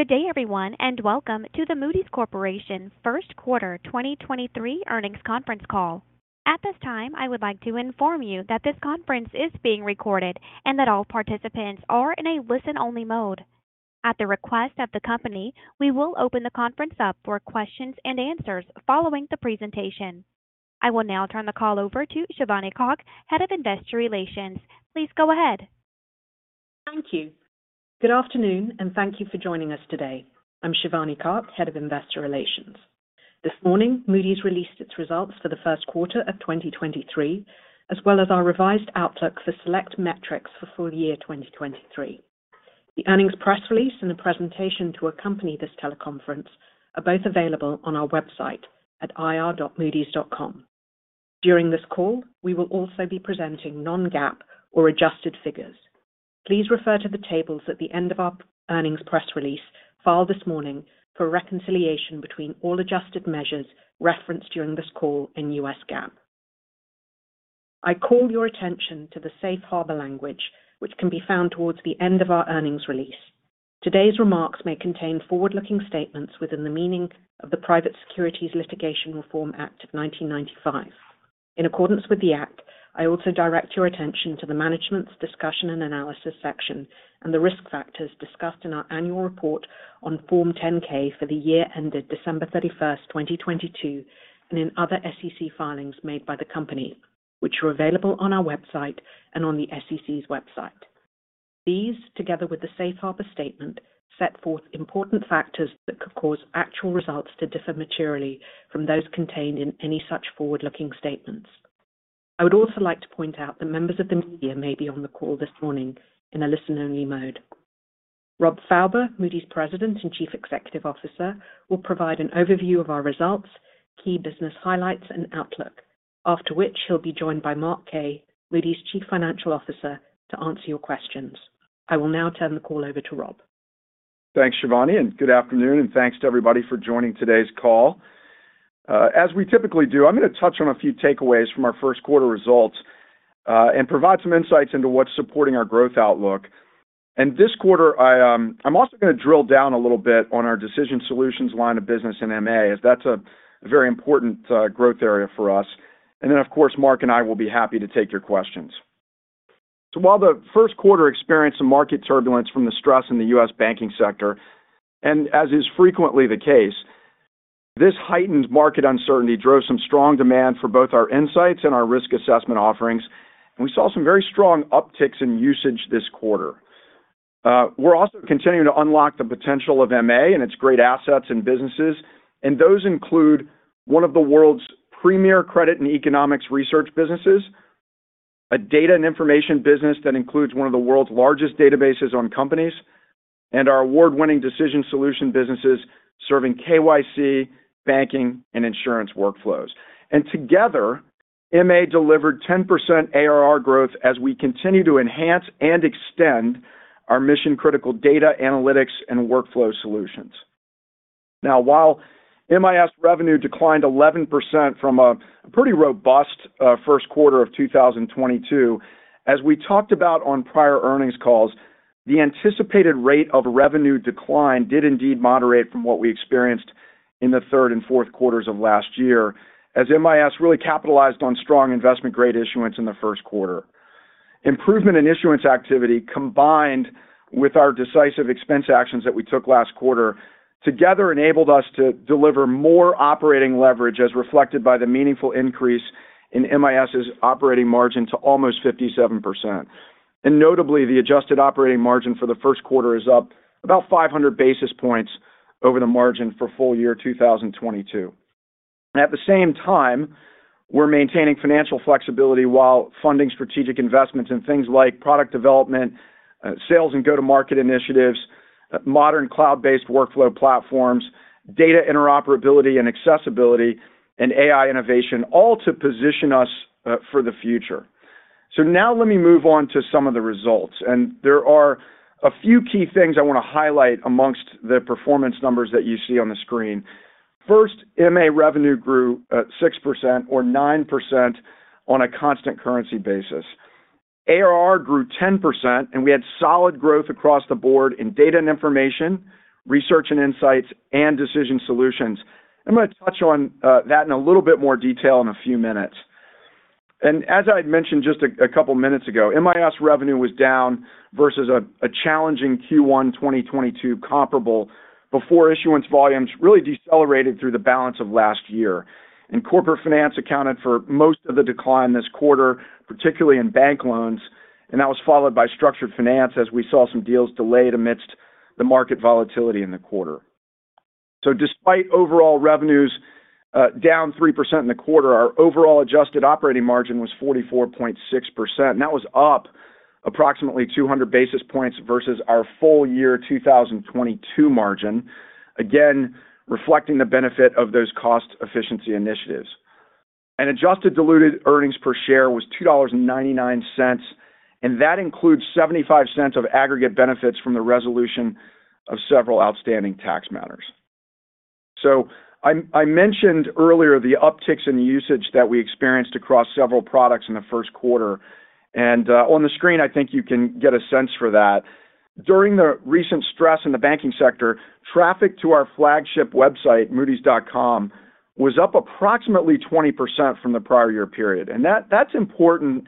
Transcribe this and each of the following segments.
Good day, everyone, welcome to the Moody's Corporation First Quarter 2023 Earnings Conference Call. At this time, I would like to inform you that this conference is being recorded and that all participants are in a listen-only mode. At the request of the company, we will open the conference up for Q&A following the presentation. I will now turn the call over to Shivani Kak, Head of Investor Relations. Please go ahead. Thank you. Good afternoon, and thank you for joining us today. I'm Shivani Kak, Head of Investor Relations. This morning, Moody's released its results for the first quarter of 2023, as well as our revised outlook for select metrics for full year 2023. The earnings press release and the presentation to accompany this teleconference are both available on our website at ir.moodys.com. During this call, we will also be presenting non-GAAP or adjusted figures. Please refer to the tables at the end of our earnings press release filed this morning for reconciliation between all adjusted measures referenced during this call in U.S. GAAP. I call your attention to the safe harbor language, which can be found towards the end of our earnings release. Today's remarks may contain forward-looking statements within the meaning of the Private Securities Litigation Reform Act of 1995. In accordance with the act, I also direct your attention to the management's discussion and analysis section and the risk factors discussed in our annual report on Form 10-K for the year ended December 31, 2022, and in other SEC filings made by the company, which are available on our website and on the SEC's website. These, together with the safe harbor statement, set forth important factors that could cause actual results to differ materially from those contained in any such forward-looking statements. I would also like to point out that members of the media may be on the call this morning in a listen-only mode. Rob Fauber, Moody's President and Chief Executive Officer, will provide an overview of our results, key business highlights and outlook. After which, he'll be joined by Mark Kaye, Moody's Chief Financial Officer, to answer your questions. I will now turn the call over to Rob. Thanks, Shivani, and good afternoon, and thanks to everybody for joining today's call. As we typically do, I'm gonna touch on a few takeaways from our first quarter results, and provide some insights into what's supporting our growth outlook. This quarter I'm also gonna drill down a little bit on our Decision Solutions line of business in MA, as that's a very important growth area for us. Then, of course, Mark and I will be happy to take your questions. While the first quarter experienced some market turbulence from the stress in the U.S. banking sector, and as is frequently the case, this heightened market uncertainty drove some strong demand for both our insights and our risk assessment offerings, and we saw some very strong upticks in usage this quarter. We're also continuing to unlock the potential of MA and its great assets and businesses. Those include one of the world's premier credit and economics research businesses, a Data and Information business that includes one of the world's largest databases on companies, and our award-winning Decision Solutions businesses serving KYC, banking, and insurance workflows. Together, MA delivered 10% ARR growth as we continue to enhance and extend our mission-critical data analytics and workflow solutions. Now, while MIS revenue declined 11% from a pretty robust first quarter of 2022, as we talked about on prior earnings calls, the anticipated rate of revenue decline did indeed moderate from what we experienced in the third and fourth quarters of last year, as MIS really capitalized on strong investment-grade issuance in the first quarter. Improvement in issuance activity, combined with our decisive expense actions that we took last quarter, together enabled us to deliver more operating leverage, as reflected by the meaningful increase in MIS's operating margin to almost 57%. Notably, the adjusted operating margin for the first quarter is up about 500 basis points over the margin for full year 2022. At the same time, we're maintaining financial flexibility while funding strategic investments in things like product development, sales and go-to-market initiatives, modern cloud-based workflow platforms, data interoperability and accessibility, and AI innovation, all to position us for the future. Now let me move on to some of the results, and there are a few key things I wanna highlight amongst the performance numbers that you see on the screen. First, MA revenue grew at 6% or 9% on a constant currency basis. ARR grew 10%, we had solid growth across the board in Data and Information, Research and Insights, and Decision Solutions. I'm gonna touch on that in a little bit more detail in a few minutes. As I'd mentioned just a couple minutes ago, MIS revenue was down versus a challenging Q1 2022 comparable before issuance volumes really decelerated through the balance of last year. Corporate finance accounted for most of the decline this quarter, particularly in bank loans, and that was followed by structured finance as we saw some deals delayed amidst the market volatility in the quarter. Despite overall revenues down 3% in the quarter, our overall adjusted operating margin was 44.6%. That was up approximately 200 basis points versus our full year 2022 margin, again, reflecting the benefit of those cost efficiency initiatives. Adjusted diluted earnings per share was $2.99, and that includes $0.75 of aggregate benefits from the resolution of several outstanding tax matters. I mentioned earlier the upticks in usage that we experienced across several products in the first quarter. On the screen, I think you can get a sense for that. During the recent stress in the banking sector, traffic to our flagship website, moodys.com, was up approximately 20% from the prior year period. That's important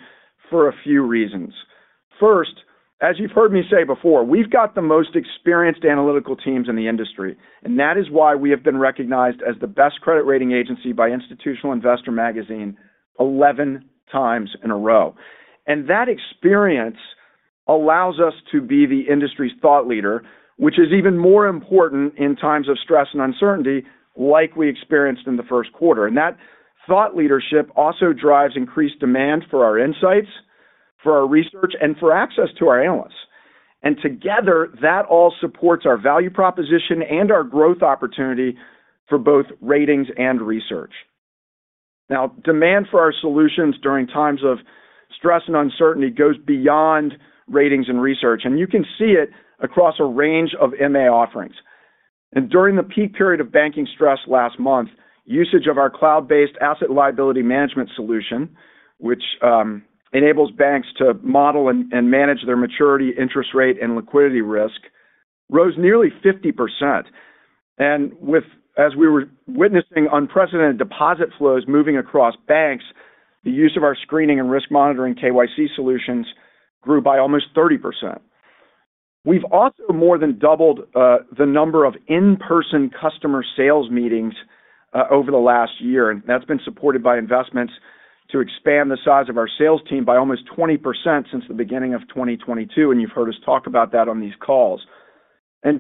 for a few reasons. First, as you've heard me say before, we've got the most experienced analytical teams in the industry, and that is why we have been recognized as the best credit rating agency by Institutional Investor Magazine 11 times in a row. That experience allows us to be the industry's thought leader, which is even more important in times of stress and uncertainty like we experienced in the first quarter. That thought leadership also drives increased demand for our insights, for our research, and for access to our analysts. Together, that all supports our value proposition and our growth opportunity for both ratings and research. Now, demand for our solutions during times of stress and uncertainty goes beyond ratings and research, and you can see it across a range of M&A offerings. During the peak period of banking stress last month, usage of our cloud-based asset liability management solution, which enables banks to model and manage their maturity, interest rate, and liquidity risk, rose nearly 50%. As we were witnessing unprecedented deposit flows moving across banks, the use of our screening and risk monitoring KYC solutions grew by almost 30%. We've also more than doubled the number of in-person customer sales meetings over the last year, and that's been supported by investments to expand the size of our sales team by almost 20% since the beginning of 2022, and you've heard us talk about that on these calls.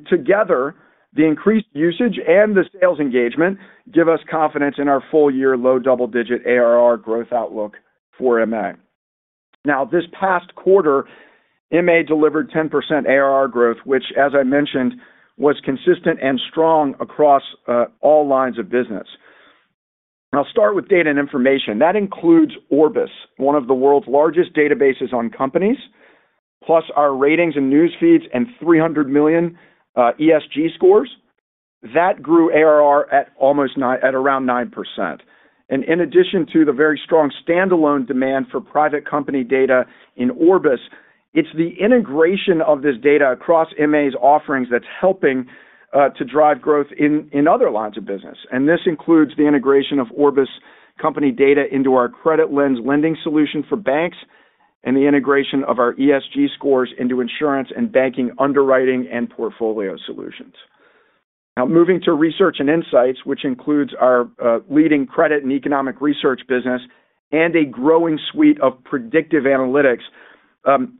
Together, the increased usage and the sales engagement give us confidence in our full year low double-digit ARR growth outlook for MA. This past quarter, MA delivered 10% ARR growth, which as I mentioned, was consistent and strong across all lines of business. I'll start with Data and Information. That includes Orbis, one of the world's largest databases on companies, plus our ratings and news feeds and 300 million ESG scores. That grew ARR at almost at around 9%. In addition to the very strong standalone demand for private company data in Orbis, it's the integration of this data across MA's offerings that's helping to drive growth in other lines of business. This includes the integration of Orbis company data into our CreditLens lending solution for banks and the integration of our ESG scores into insurance and banking underwriting and portfolio solutions. Now moving to Research and Insights, which includes our leading credit and economic research business and a growing suite of predictive analytics,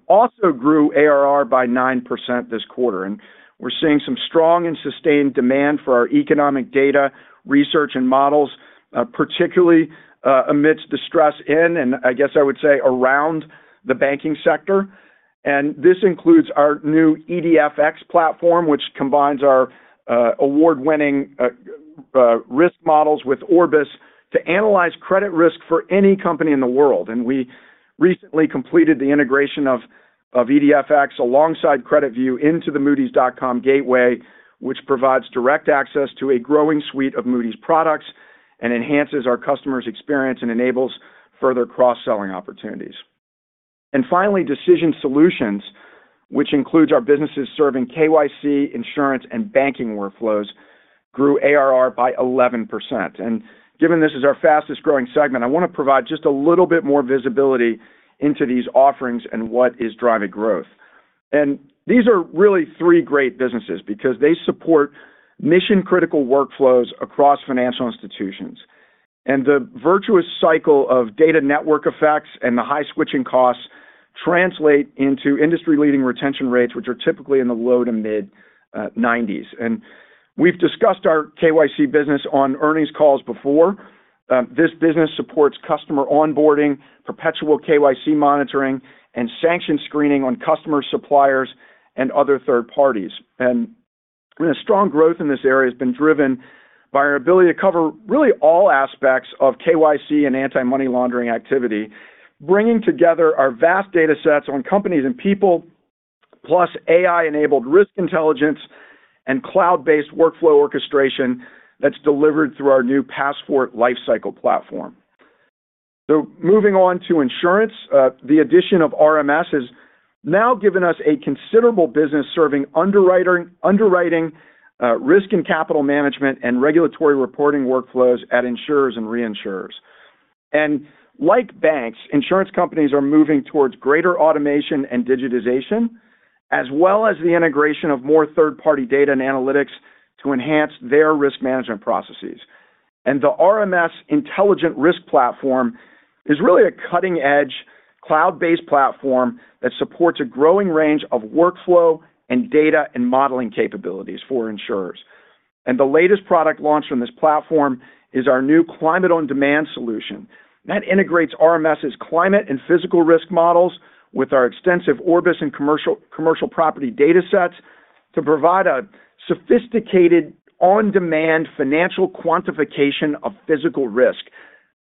also grew ARR by 9% this quarter. We're seeing some strong and sustained demand for our economic data research and models, particularly amidst the stress in, and I guess I would say around the banking sector. This includes our new EDF-X platform, which combines our award-winning risk models with Orbis to analyze credit risk for any company in the world. We recently completed the integration of EDF-X alongside CreditView into the moodys.com gateway, which provides direct access to a growing suite of Moody's products and enhances our customers' experience and enables further cross-selling opportunities. Finally, Decision Solutions, which includes our businesses serving KYC, insurance, and banking workflows, grew ARR by 11%. Given this is our fastest-growing segment, I want to provide just a little bit more visibility into these offerings and what is driving growth. These are really three great businesses because they support mission-critical workflows across financial institutions. The virtuous cycle of data network effects and the high switching costs translate into industry-leading retention rates, which are typically in the low to mid 90s. We've discussed our KYC business on earnings calls before. This business supports customer onboarding, perpetual KYC monitoring, and sanction screening on customer suppliers and other third parties. The strong growth in this area has been driven by our ability to cover really all aspects of KYC and anti-money laundering activity, bringing together our vast datasets on companies and people, plus AI-enabled risk intelligence and cloud-based workflow orchestration that's delivered through our new PassFort Lifecycle platform. Moving on to insurance, the addition of RMS has now given us a considerable business serving underwriting, risk and capital management, and regulatory reporting workflows at insurers and reinsurers. Like banks, insurance companies are moving towards greater automation and digitization, as well as the integration of more third-party data and analytics to enhance their risk management processes. The RMS Intelligent Risk Platform is really a cutting-edge cloud-based platform that supports a growing range of workflow and data and modeling capabilities for insurers. The latest product launch from this platform is our new Climate on Demand solution. That integrates RMS's climate and physical risk models with our extensive Orbis and commercial property datasets to provide a sophisticated on-demand financial quantification of physical risk.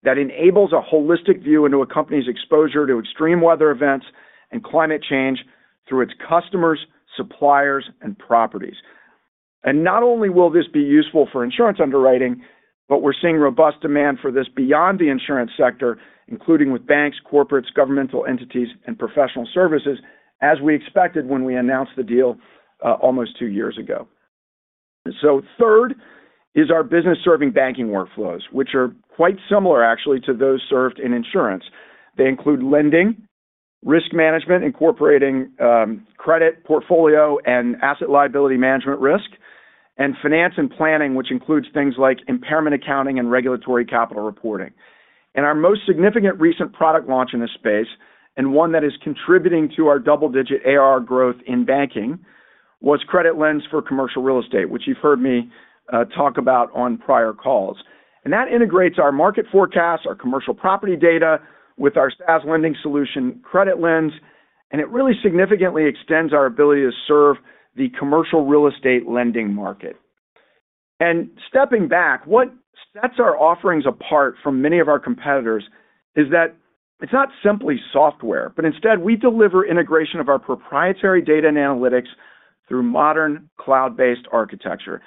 That enables a holistic view into a company's exposure to extreme weather events and climate change through its customers, suppliers, and properties. Not only will this be useful for insurance underwriting, but we're seeing robust demand for this beyond the insurance sector, including with banks, corporates, governmental entities, and professional services, as we expected when we announced the deal, almost two years ago. Third is our business-serving banking workflows, which are quite similar actually to those served in insurance. They include lending, risk management, incorporating, credit, portfolio, and asset liability management risk, and finance and planning, which includes things like impairment accounting and regulatory capital reporting. Our most significant recent product launch in this space, and one that is contributing to our double-digit ARR growth in banking, was CreditLens for Commercial Real Estate, which you've heard me talk about on prior calls. That integrates our market forecasts, our commercial property data with our SaaS lending solution, CreditLens, and it really significantly extends our ability to serve the Commercial Real Estate lending market. Stepping back, what sets our offerings apart from many of our competitors is that it's not simply software, but instead we deliver integration of our proprietary data and analytics through modern cloud-based architecture.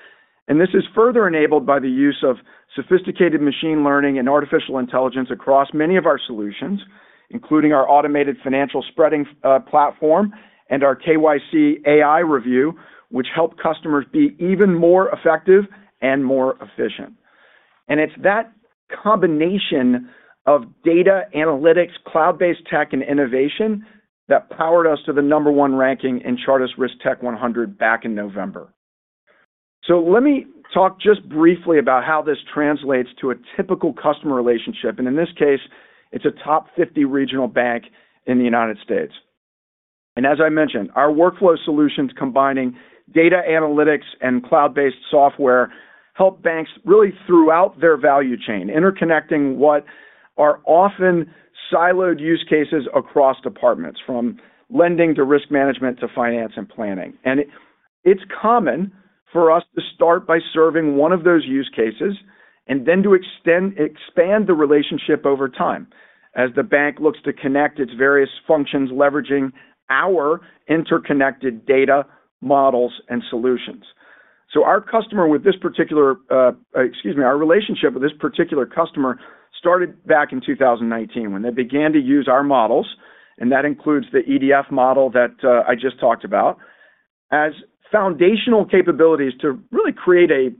This is further enabled by the use of sophisticated machine learning and artificial intelligence across many of our solutions, including our automated financial spreading platform and our KYC AI review, which help customers be even more effective and more efficient. It's that combination of data analytics, cloud-based tech, and innovation that powered us to the number one ranking in Chartis RiskTech100 back in November. Let me talk just briefly about how this translates to a typical customer relationship. In this case, it's a top 50 regional bank in the United States. As I mentioned, our workflow solutions combining data analytics and cloud-based software help banks really throughout their value chain, interconnecting what are often siloed use cases across departments from lending to risk management to finance and planning. It's common for us to start by serving one of those use cases and then to expand the relationship over time as the bank looks to connect its various functions, leveraging our interconnected data, models, and solutions. Our customer with this particular, excuse me, our relationship with this particular customer started back in 2019 when they began to use our models, and that includes the EDF model that I just talked about, as foundational capabilities to really create a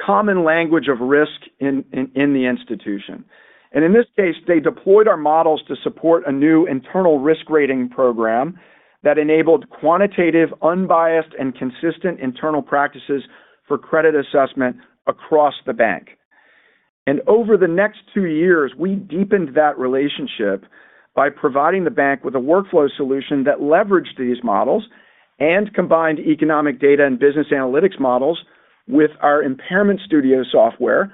common language of risk in the institution. In this case, they deployed our models to support a new internal risk rating program that enabled quantitative, unbiased, and consistent internal practices for credit assessment across the bank. Over the next two years, we deepened that relationship by providing the bank with a workflow solution that leveraged these models and combined economic data and business analytics models with our ImpairmentStudio software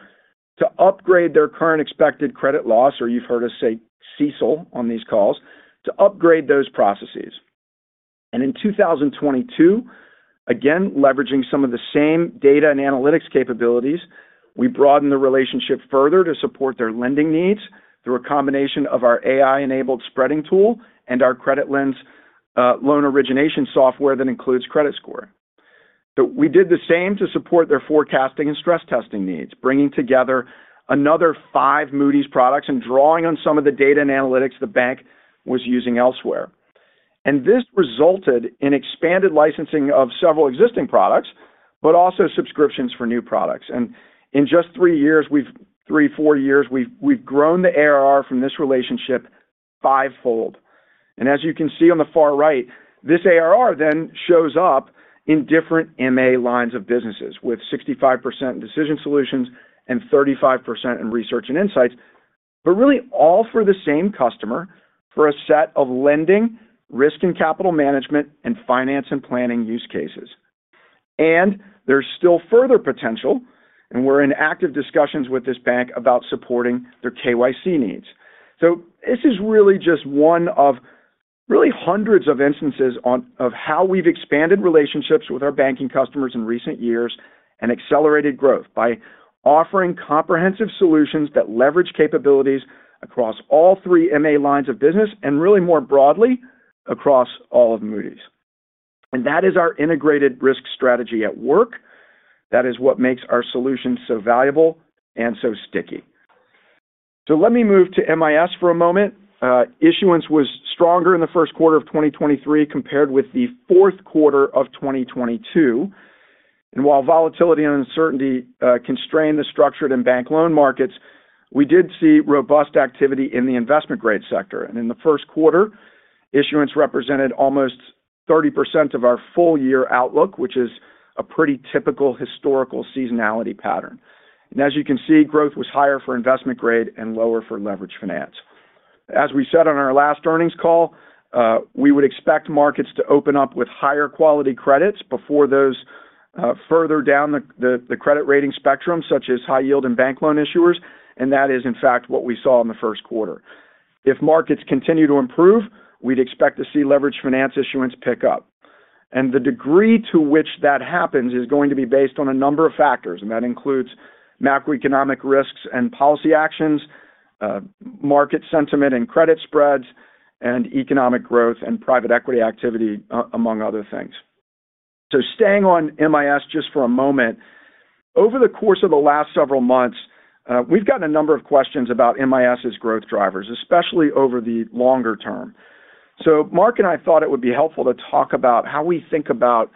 to upgrade their current expected credit loss, or you've heard us say CECL on these calls, to upgrade those processes. In 2022, again, leveraging some of the same data and analytics capabilities, we broadened the relationship further to support their lending needs through a combination of our AI-enabled spreading tool and our CreditLens loan origination software that includes credit score. We did the same to support their forecasting and stress testing needs, bringing together another five Moody's products and drawing on some of the data and analytics the bank was using elsewhere. This resulted in expanded licensing of several existing products, but also subscriptions for new products. In just three, four years, we've grown the ARR from this relationship five-fold. As you can see on the far right, this ARR shows up in different MA lines of businesses with 65% Decision Solutions and 35% in Research and Insights. Really all for the same customer for a set of lending, risk and capital management, and finance and planning use cases. There's still further potential, and we're in active discussions with this bank about supporting their KYC needs. This is really just one of really hundreds of instances of how we've expanded relationships with our banking customers in recent years and accelerated growth by offering comprehensive solutions that leverage capabilities across all three MA lines of business and really more broadly across all of Moody's. That is our integrated risk strategy at work. That is what makes our solutions so valuable and so sticky. Let me move to MIS for a moment. Issuance was stronger in the first quarter of 2023 compared with the fourth quarter of 2022. While volatility and uncertainty constrained the structured and bank loan markets, we did see robust activity in the investment-grade sector. In the first quarter, issuance represented almost 30% of our full-year outlook, which is a pretty typical historical seasonality pattern. As you can see, growth was higher for investment-grade and lower for leveraged finance. As we said on our last earnings call, we would expect markets to open up with higher quality credits before those further down the credit rating spectrum, such as high yield and bank loan issuers, and that is in fact what we saw in the first quarter. If markets continue to improve, we'd expect to see leveraged finance issuance pick up. The degree to which that happens is going to be based on a number of factors, and that includes macroeconomic risks and policy actions, market sentiment and credit spreads, and economic growth and private equity activity, among other things. Staying on MIS just for a moment. Over the course of the last several months, we've gotten a number of questions about MIS's growth drivers, especially over the longer term. Mark and I thought it would be helpful to talk about how we think about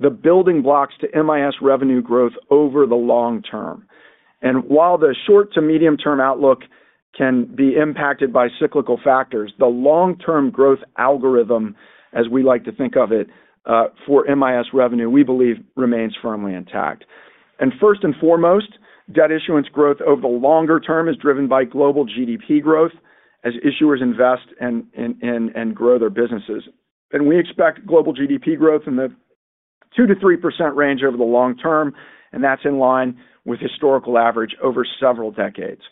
the building blocks to MIS revenue growth over the long term. While the short to medium term outlook can be impacted by cyclical factors, the long-term growth algorithm, as we like to think of it, for MIS revenue, we believe remains firmly intact. First and foremost, debt issuance growth over the longer term is driven by global GDP growth as issuers invest and grow their businesses. We expect global GDP growth in the 2%-3% range over the long term, and that's in line with historical average over several decades.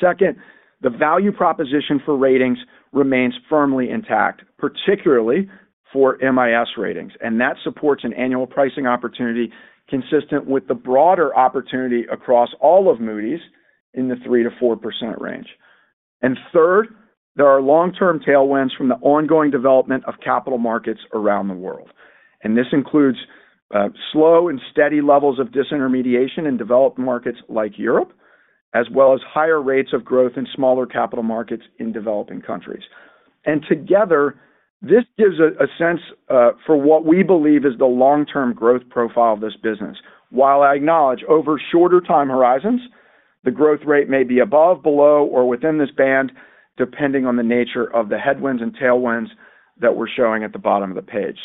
Second, the value proposition for ratings remains firmly intact, particularly for MIS ratings, and that supports an annual pricing opportunity consistent with the broader opportunity across all of Moody's in the 3%-4% range. Third, there are long-term tailwinds from the ongoing development of capital markets around the world. This includes slow and steady levels of disintermediation in developed markets like Europe, as well as higher rates of growth in smaller capital markets in developing countries. Together, this gives a sense for what we believe is the long-term growth profile of this business. While I acknowledge over shorter time horizons, the growth rate may be above, below, or within this band, depending on the nature of the headwinds and tailwinds that we're showing at the bottom of the page.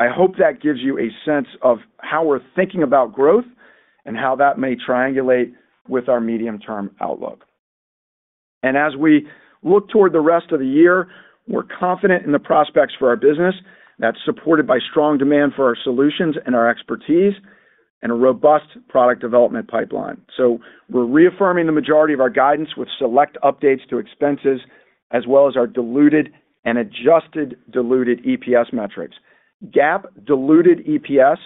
I hope that gives you a sense of how we're thinking about growth and how that may triangulate with our medium-term outlook. As we look toward the rest of the year, we're confident in the prospects for our business that's supported by strong demand for our solutions and our expertise and a robust product development pipeline. We're reaffirming the majority of our guidance with select updates to expenses as well as our diluted and adjusted diluted EPS metrics. GAAP diluted EPS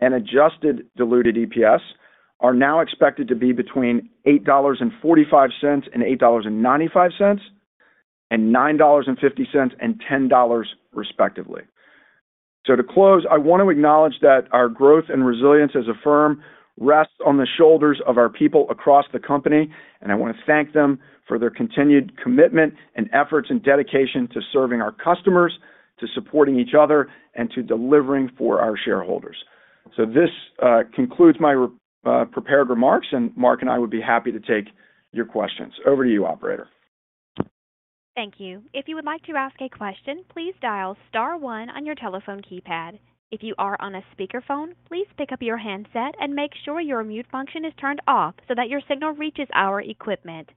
and adjusted diluted EPS are now expected to be between $8.45 and $8.95, and $9.50 and $10.00, respectively. To close, I want to acknowledge that our growth and resilience as a firm rests on the shoulders of our people across the company, and I want to thank them for their continued commitment and efforts and dedication to serving our customers, to supporting each other, and to delivering for our shareholders. This concludes my prepared remarks, and Mark and I would be happy to take your questions. Over to you, operator. Thank you. If you would like to ask a question, please dial star one on your telephone keypad. If you are on a speakerphone, please pick up your handset and make sure your mute function is turned off so that your signal reaches our equipment.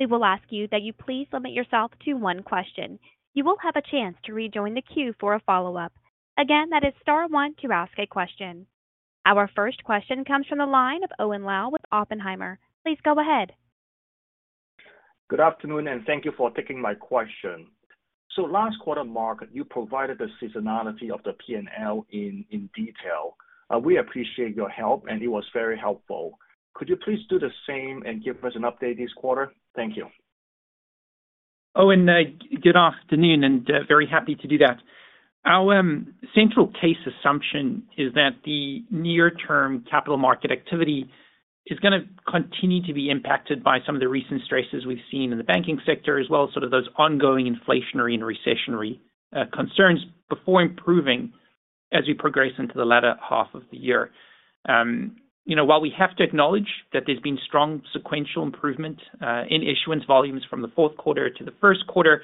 We will ask you that you please limit yourself to one question. You will have a chance to rejoin the queue for a follow-up. Again, that is star one to ask a question. Our first question comes from the line of Owen Lau with Oppenheimer. Please go ahead. Good afternoon. Thank you for taking my question. Last quarter, Mark, you provided the seasonality of the P&L in detail. We appreciate your help, and it was very helpful. Could you please do the same and give us an update this quarter? Thank you. Owen, good afternoon and very happy to do that. Our central case assumption is that the near term capital market activity is gonna continue to be impacted by some of the recent stresses we've seen in the banking sector, as well as sort of those ongoing inflationary and recessionary concerns before improving as we progress into the latter half of the year. You know, while we have to acknowledge that there's been strong sequential improvement in issuance volumes from the fourth quarter to the first quarter,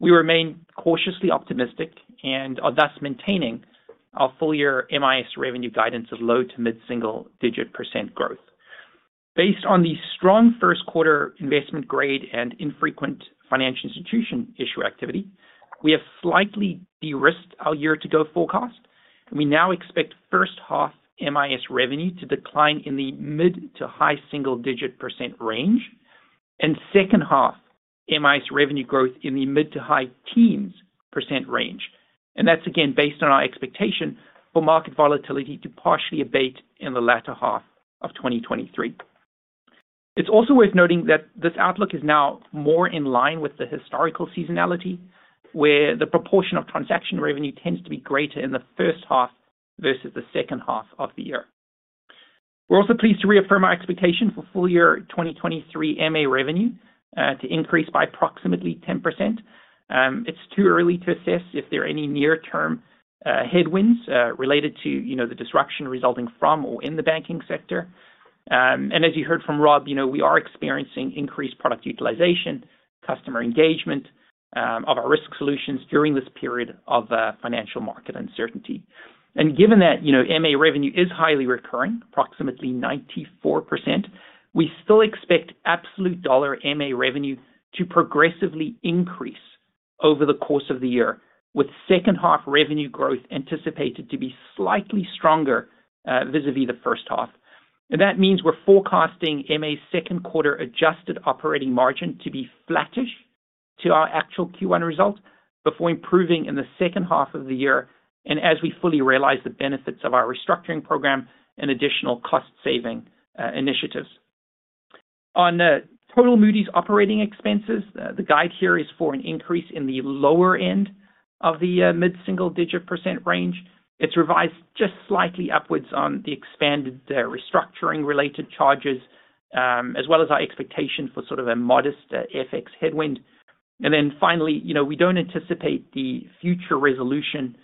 we remain cautiously optimistic and are thus maintaining our full year MIS revenue guidance of low to mid-single digit percent growth. Based on the strong first quarter investment grade and infrequent financial institution issue activity, we have slightly de-risked our year-to-go forecast. We now expect first half MIS revenue to decline in the mid-to-high single-digit percent range, second half MIS revenue growth in the mid-to-high teens percent range. That's again based on our expectation for market volatility to partially abate in the latter half of 2023. It's also worth noting that this outlook is now more in line with the historical seasonality, where the proportion of transaction revenue tends to be greater in the first half versus the second half of the year. We're also pleased to reaffirm our expectation for full year 2023 MA revenue to increase by approximately 10%. It's too early to assess if there are any near term headwinds related to, you know, the disruption resulting from or in the banking sector. As you heard from Rob, you know, we are experiencing increased product utilization, customer engagement of our risk solutions during this period of financial market uncertainty. Given that, you know, MA revenue is highly recurring, approximately 94%, we still expect absolute dollar MA revenue to progressively increase over the course of the year, with second half revenue growth anticipated to be slightly stronger vis-à-vis the first half. That means we're forecasting MA's second quarter adjusted operating margin to be flattish to our actual Q1 results before improving in the second half of the year, and as we fully realize the benefits of our restructuring program and additional cost saving initiatives. Total Moody's operating expenses, the guide here is for an increase in the lower end of the mid-single digit percent range. It's revised just slightly upwards on the expanded restructuring related charges, as well as our expectation for sort of a modest FX headwind. Finally, you know, we don't anticipate the future resolution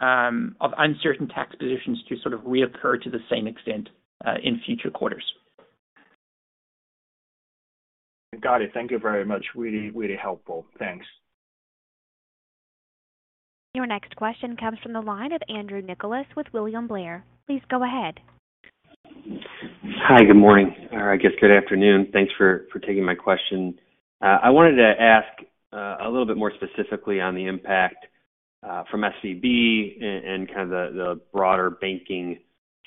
of uncertain tax positions to sort of reoccur to the same extent in future quarters. Got it. Thank you very much. Really, really helpful. Thanks. Your next question comes from the line of Andrew Nicholas with William Blair. Please go ahead. Hi. Good morning. Or I guess good afternoon. Thanks for taking my question. I wanted to ask a little bit more specifically on the impact from SCB and kind of the broader banking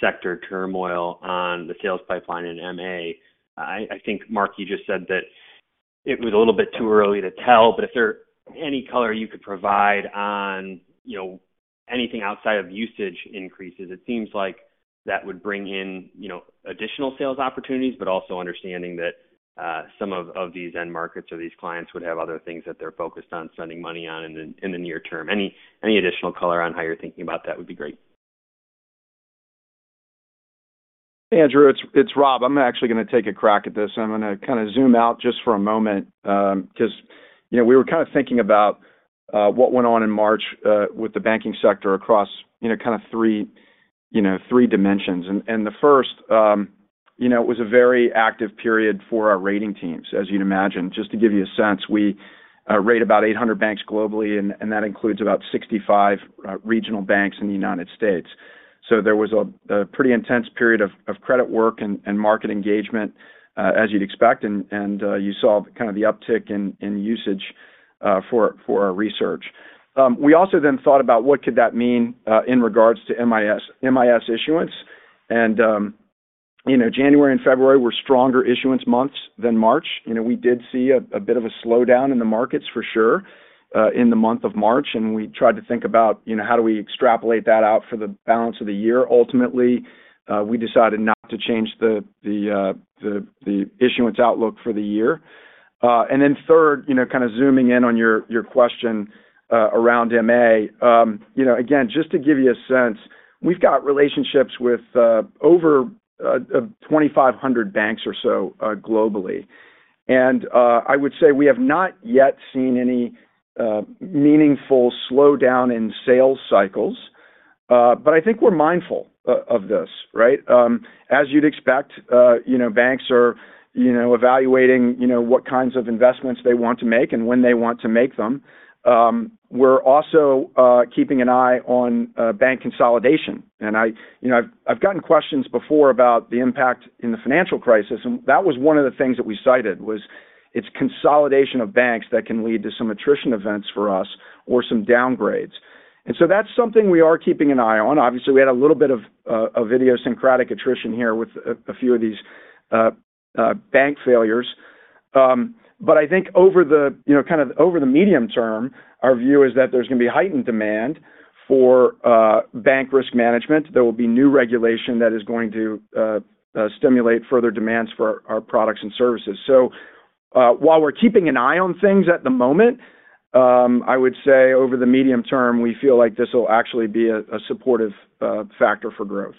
sector turmoil on the sales pipeline in MA. I think, Mark, you just said that it was a little bit too early to tell, but if there any color you could provide on, you know, anything outside of usage increases, it seems like that would bring in, you know, additional sales opportunities, but also understanding that some of these end markets or these clients would have other things that they're focused on spending money on in the near term. Any additional color on how you're thinking about that would be great. Andrew, it's Rob. I'm actually gonna take a crack at this, and I'm gonna kinda zoom out just for a moment, 'cause, you know, we were kinda thinking about what went on in March with the banking sector across, you know, kind of three, you know, three dimensions. The first, you know, it was a very active period for our rating teams, as you'd imagine. Just to give you a sense, we rate about 800 banks globally, and that includes about 65 regional banks in the United States. There was a pretty intense period of credit work and market engagement, as you'd expect, and you saw kinda the uptick in usage for our research. We also thought about what could that mean in regards to MIS issuance. You know, January and February were stronger issuance months than March. You know, we did see a bit of a slowdown in the markets for sure in the month of March, and we tried to think about, you know, how do we extrapolate that out for the balance of the year. Ultimately, we decided not to change the issuance outlook for the year. Third, you know, kinda zooming in on your question around MA. You know, again, just to give you a sense, we've got relationships with over 2,500 banks or so globally. I would say we have not yet seen any meaningful slowdown in sales cycles, but I think we're mindful of this, right? As you'd expect, you know, banks are, you know, evaluating, you know, what kinds of investments they want to make and when they want to make them. We're also keeping an eye on bank consolidation. You know, I've gotten questions before about the impact in the financial crisis, and that was one of the things that we cited was it's consolidation of banks that can lead to some attrition events for us or some downgrades. That's something we are keeping an eye on. Obviously, we had a little bit of idiosyncratic attrition here with a few of these bank failures. I think over the, you know, kind of over the medium term, our view is that there's gonna be heightened demand for bank risk management. There will be new regulation that is going to stimulate further demands for our products and services. While we're keeping an eye on things at the moment, I would say over the medium term, we feel like this will actually be a supportive factor for growth.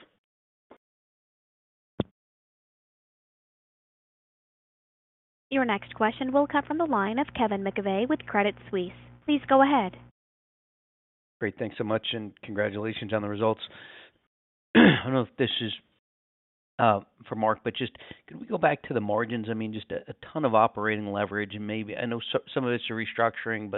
Your next question will come from the line of Kevin McVeigh with Credit Suisse. Please go ahead. Great. Thanks so much, congratulations on the results. I don't know if this is for Mark, just could we go back to the margins? I mean, just a ton of operating leverage and maybe. I know some of it's a restructuring,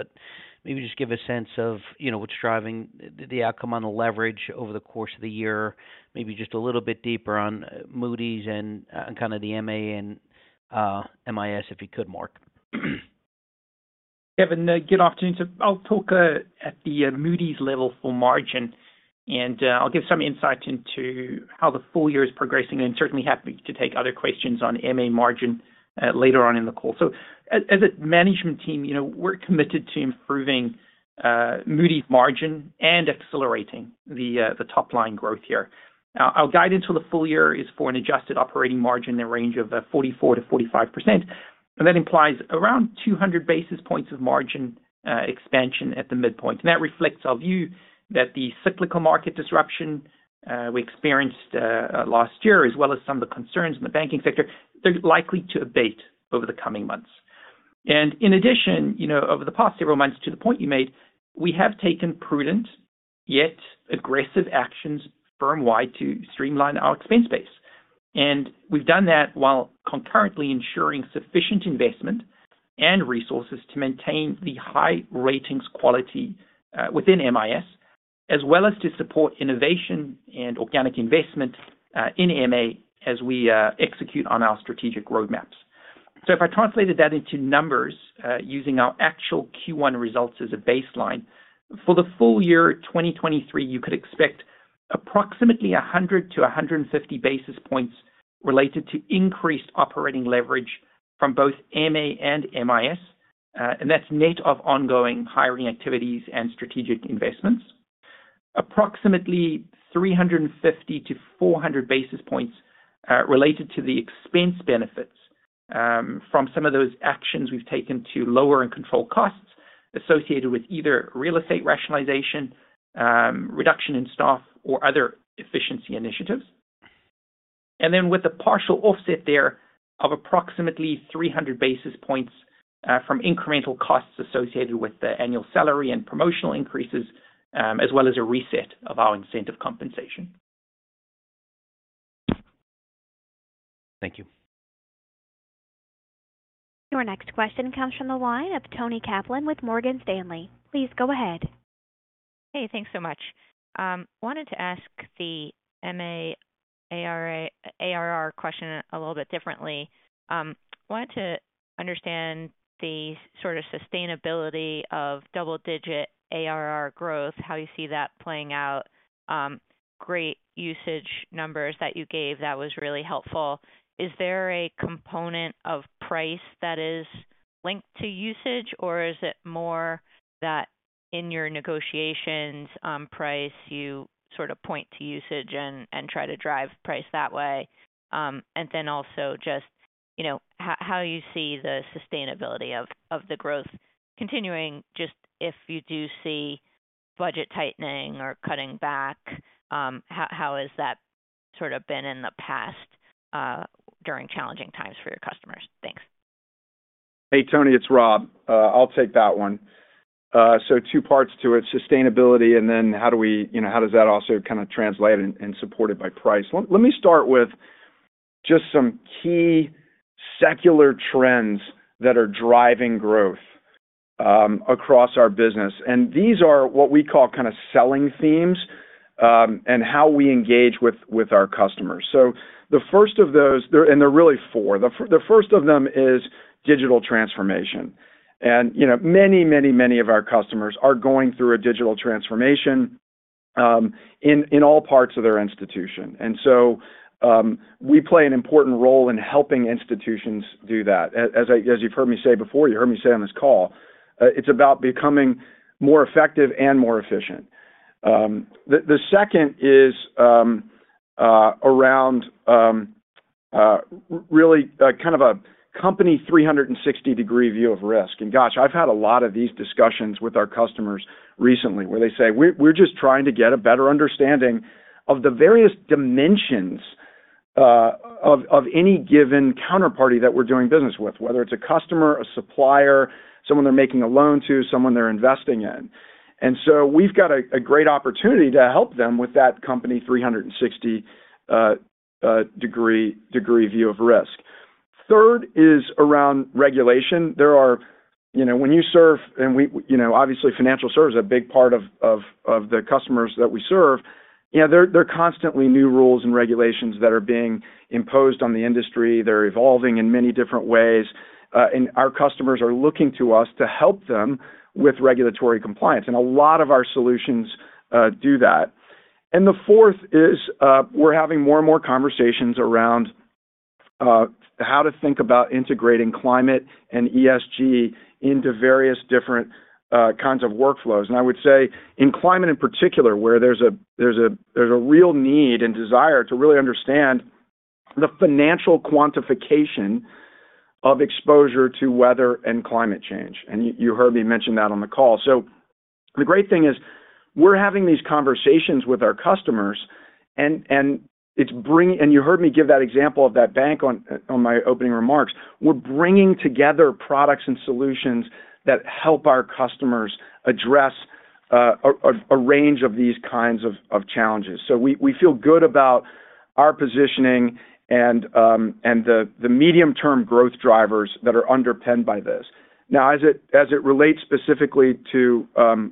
just give a sense of, you know, what's driving the outcome on the leverage over the course of the year. Maybe just a little bit deeper on Moody's and kind of the MA and MIS, if you could, Mark. Kevin, good afternoon. I'll talk at the Moody's level for margin, I'll give some insight into how the full year is progressing, and certainly happy to take other questions on MA margin later on in the call. As a management team, you know, we're committed to improving Moody's margin and accelerating the top line growth here. Our guide into the full year is for an adjusted operating margin in the range of 44%-45%. That implies around 200 basis points of margin expansion at the midpoint. That reflects our view that the cyclical market disruption we experienced last year, as well as some of the concerns in the banking sector, they're likely to abate over the coming months. In addition, you know, over the past several months, to the point you made, we have taken prudent yet aggressive actions firm-wide to streamline our expense base. We've done that while concurrently ensuring sufficient investment and resources to maintain the high ratings quality within MIS, as well as to support innovation and organic investment in MA as we execute on our strategic roadmaps. If I translated that into numbers, using our actual Q1 results as a baseline, for the full year 2023, you could expect Approximately 100 to 150 basis points related to increased operating leverage from both MA and MIS, and that's net of ongoing hiring activities and strategic investments. Approximately 350 to 400 basis points related to the expense benefits from some of those actions we've taken to lower and control costs associated with either real estate rationalization, reduction in staff or other efficiency initiatives. With the partial offset there of approximately 300 basis points from incremental costs associated with the annual salary and promotional increases, as well as a reset of our incentive compensation. Thank you. Your next question comes from the line of Toni Kaplan with Morgan Stanley. Please go ahead. Hey, thanks so much. Wanted to ask the ARR question a little bit differently. Wanted to understand the sort of sustainability of double-digit ARR growth, how you see that playing out. Great usage numbers that you gave. That was really helpful. Is there a component of price that is linked to usage, or is it more that in your negotiations on price, you sort of point to usage and try to drive price that way? Then also just, you know, how you see the sustainability of the growth continuing, just if you do see budget tightening or cutting back, how has that sort of been in the past, during challenging times for your customers? Thanks. Hey, Toni. It's Rob. I'll take that one. Two parts to it, sustainability and then you know, how does that also kind of translate and supported by price. Let me start with just some key secular trends that are driving growth across our business. These are what we call kind of selling themes and how we engage with our customers. The first of those. They're really four. The first of them is digital transformation. You know, many of our customers are going through a digital transformation in all parts of their institution. We play an important role in helping institutions do that. As you've heard me say before, you heard me say on this call, it's about becoming more effective and more efficient. The second is really kind of a company 360 degree view of risk. Gosh, I've had a lot of these discussions with our customers recently where they say, "We're just trying to get a better understanding of the various dimensions of any given counterparty that we're doing business with," whether it's a customer, a supplier, someone they're making a loan to, someone they're investing in. We've got a great opportunity to help them with that company 360 degree view of risk. Third is around regulation. You know, when you serve. You know, obviously financial service is a big part of the customers that we serve. You know, there are constantly new rules and regulations that are being imposed on the industry. They're evolving in many different ways, and our customers are looking to us to help them with regulatory compliance, and a lot of our solutions do that. The fourth is, we're having more and more conversations around how to think about integrating climate and ESG into various different kinds of workflows. I would say in climate in particular, where there's a real need and desire to really understand the financial quantification of exposure to weather and climate change. You heard me mention that on the call. The great thing is we're having these conversations with our customers. You heard me give that example of that bank on my opening remarks. We're bringing together products and solutions that help our customers address a range of these kinds of challenges. We, we feel good about our positioning and the medium-term growth drivers that are underpinned by this. As it relates specifically to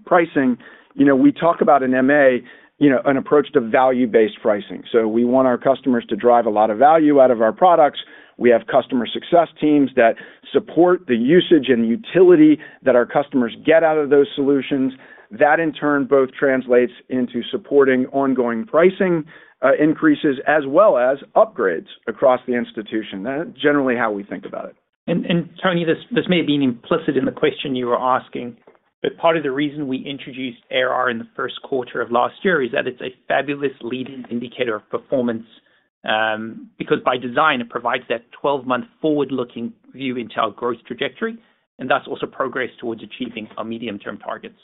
pricing, you know, we talk about in MA, you know, an approach to value-based pricing. We want our customers to drive a lot of value out of our products. We have customer success teams that support the usage and utility that our customers get out of those solutions. That in turn both translates into supporting ongoing pricing increases as well as upgrades across the institution. That's generally how we think about it. Toni, this may have been implicit in the question you were asking, but part of the reason we introduced ARR in the first quarter of last year is that it's a fabulous leading indicator of performance, because by design it provides that 12-month forward-looking view into our growth trajectory and thus also progress towards achieving our medium-term targets.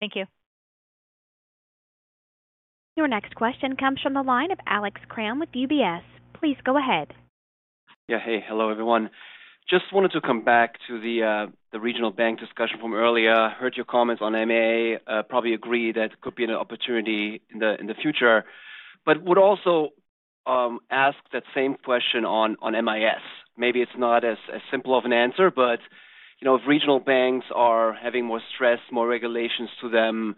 Thank you. Your next question comes from the line of Alex Kramm with UBS. Please go ahead. Yeah. Hey. Hello, everyone. Just wanted to come back to the regional bank discussion from earlier. Heard your comments on MA, probably agree that could be an opportunity in the future. Would also ask that same question on MIS. Maybe it's not as simple of an answer, but, you know, if regional banks are having more stress, more regulations to them,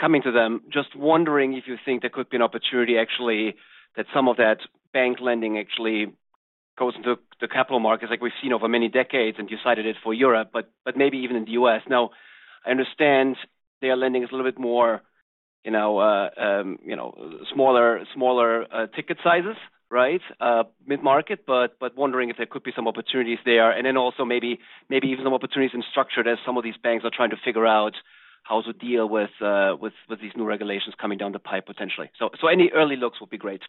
coming to them, just wondering if you think there could be an opportunity actually that some of that bank lending actually goes into the capital markets like we've seen over many decades, and you cited it for Europe, but maybe even in the U.S. Now I understand their lending is a little bit more, you know, smaller ticket sizes, right? Mid-market, but wondering if there could be some opportunities there. Then also maybe even some opportunities in structured as some of these banks are trying to figure out how to deal with these new regulations coming down the pipe potentially. Any early looks will be great.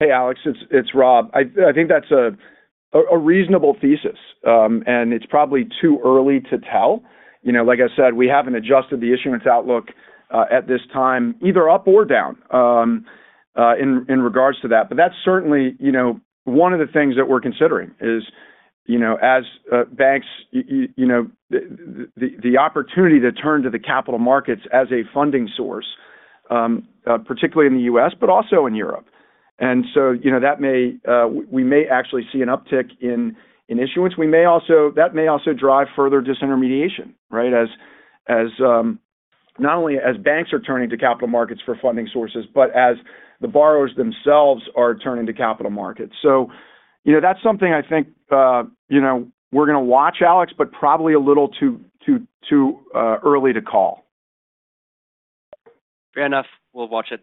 Hey, Alex, it's Rob. I think that's a reasonable thesis. It's probably too early to tell. You know, like I said, we haven't adjusted the issuance outlook at this time either up or down in regards to that. That's certainly, you know, one of the things that we're considering is, you know, as banks, you know, the opportunity to turn to the capital markets as a funding source, particularly in the U.S., but also in Europe. You know, that may we may actually see an uptick in issuance. That may also drive further disintermediation, right? As not only as banks are turning to capital markets for funding sources, but as the borrowers themselves are turning to capital markets. You know, that's something I think, you know, we're gonna watch, Alex, but probably a little too early to call. Fair enough. We'll watch it.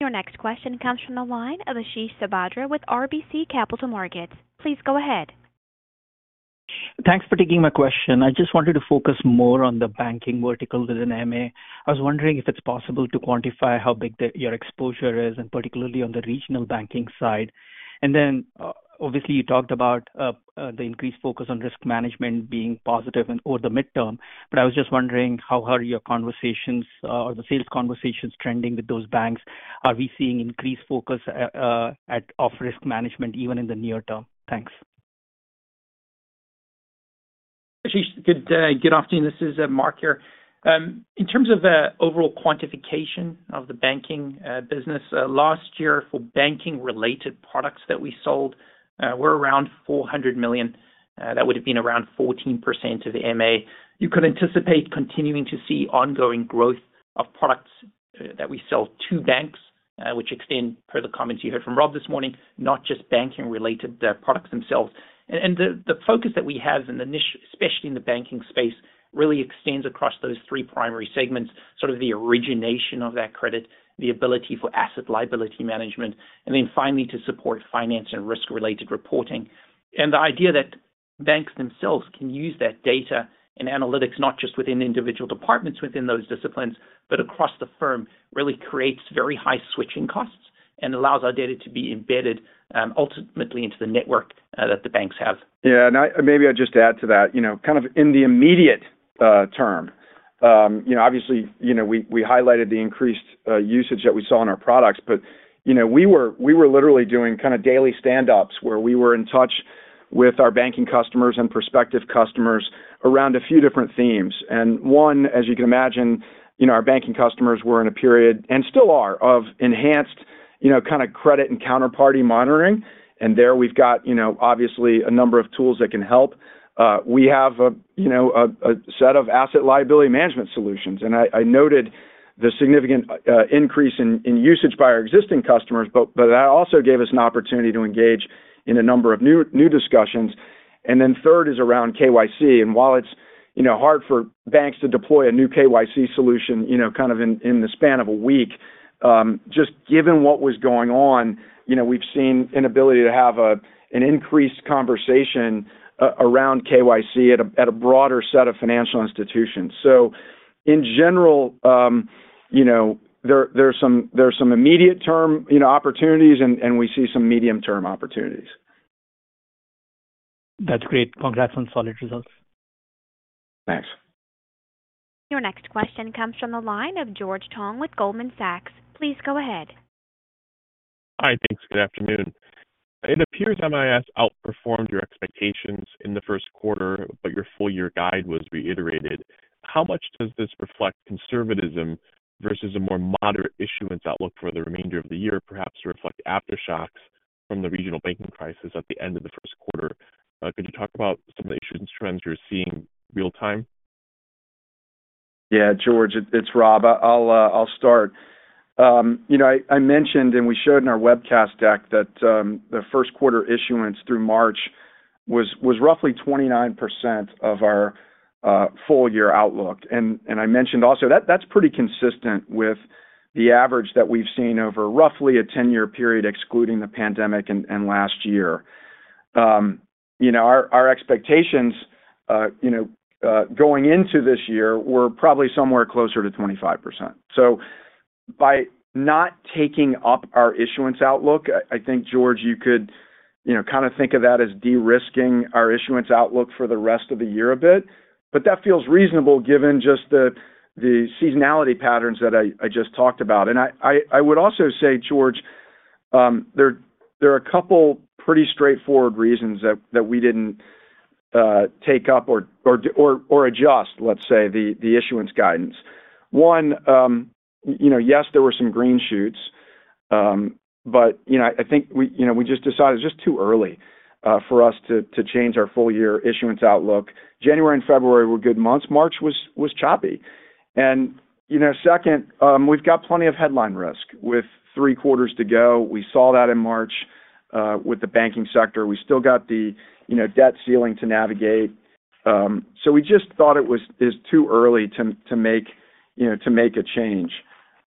Your next question comes from the line of Ashish Sabadra with RBC Capital Markets. Please go ahead. Thanks for taking my question. I just wanted to focus more on the banking vertical within MA. I was wondering if it's possible to quantify how big your exposure is, and particularly on the regional banking side. Then, obviously, you talked about the increased focus on risk management being positive and over the midterm, but I was just wondering how are your conversations or the sales conversations trending with those banks? Are we seeing increased focus of risk management even in the near term? Thanks. Ashish, good afternoon. This is Mark here. In terms of the overall quantification of the banking business last year for banking-related products that we sold were around $400 million. That would have been around 14% of MA. You could anticipate continuing to see ongoing growth of products that we sell to banks, which extend per the comments you heard from Rob this morning, not just banking-related products themselves. The focus that we have in the niche, especially in the banking space, really extends across those three primary segments, sort of the origination of that credit, the ability for asset liability management, and then finally to support finance and risk-related reporting. The idea that banks themselves can use that data and analytics not just within individual departments within those disciplines, but across the firm, really creates very high switching costs and allows our data to be embedded ultimately into the network that the banks have. Yeah. Now maybe I'll just add to that. You know, kind of in the immediate term, you know, obviously, you know, we highlighted the increased usage that we saw in our products, but, you know, we were literally doing kind of daily stand-ups where we were in touch with our banking customers and prospective customers around a few different themes. One, as you can imagine, you know, our banking customers were in a period, and still are, of enhanced, you know, kinda credit and counterparty monitoring. There we've got, you know, obviously a number of tools that can help. We have a, you know, a set of asset liability management solutions, I noted the significant increase in usage by our existing customers, but that also gave us an opportunity to engage in a number of new discussions. Third is around KYC. While it's, you know, hard for banks to deploy a new KYC solution, you know, kind of in the span of a week, just given what was going on, you know, we've seen an ability to have an increased conversation around KYC at a broader set of financial institutions. In general, you know, there are some immediate term, you know, opportunities and we see some medium term opportunities. That's great. Congrats on solid results. Thanks. Your next question comes from the line of George Tong with Goldman Sachs. Please go ahead. Hi. Thanks. Good afternoon. It appears MIS outperformed your expectations in the first quarter. Your full year guide was reiterated. How much does this reflect conservatism versus a more moderate issuance outlook for the remainder of the year, perhaps to reflect aftershocks from the regional banking crisis at the end of the first quarter? Could you talk about some of the issuance trends you're seeing real time? Yeah. George, it's Rob. I'll start. You know, I mentioned and we showed in our webcast deck that the first quarter issuance through March was roughly 29% of our full year outlook. I mentioned also that's pretty consistent with the average that we've seen over roughly a 10-year period, excluding the pandemic and last year. You know, our expectations, you know, going into this year were probably somewhere closer to 25%. By not taking up our issuance outlook, I think, George, you could, you know, kinda think of that as de-risking our issuance outlook for the rest of the year a bit. That feels reasonable given just the seasonality patterns that I just talked about. I would also say, George, there are a couple pretty straightforward reasons that we didn't take up or adjust, let's say, the issuance guidance. One. You know, yes, there were some green shoots, but, you know, I think we, you know, we just decided it's just too early for us to change our full year issuance outlook. January and February were good months, March was choppy. You know, two. We've got plenty of headline risk with three quarters to go. We saw that in March. With the banking sector, we still got the debt ceiling to navigate. We just thought it's too early to make a change.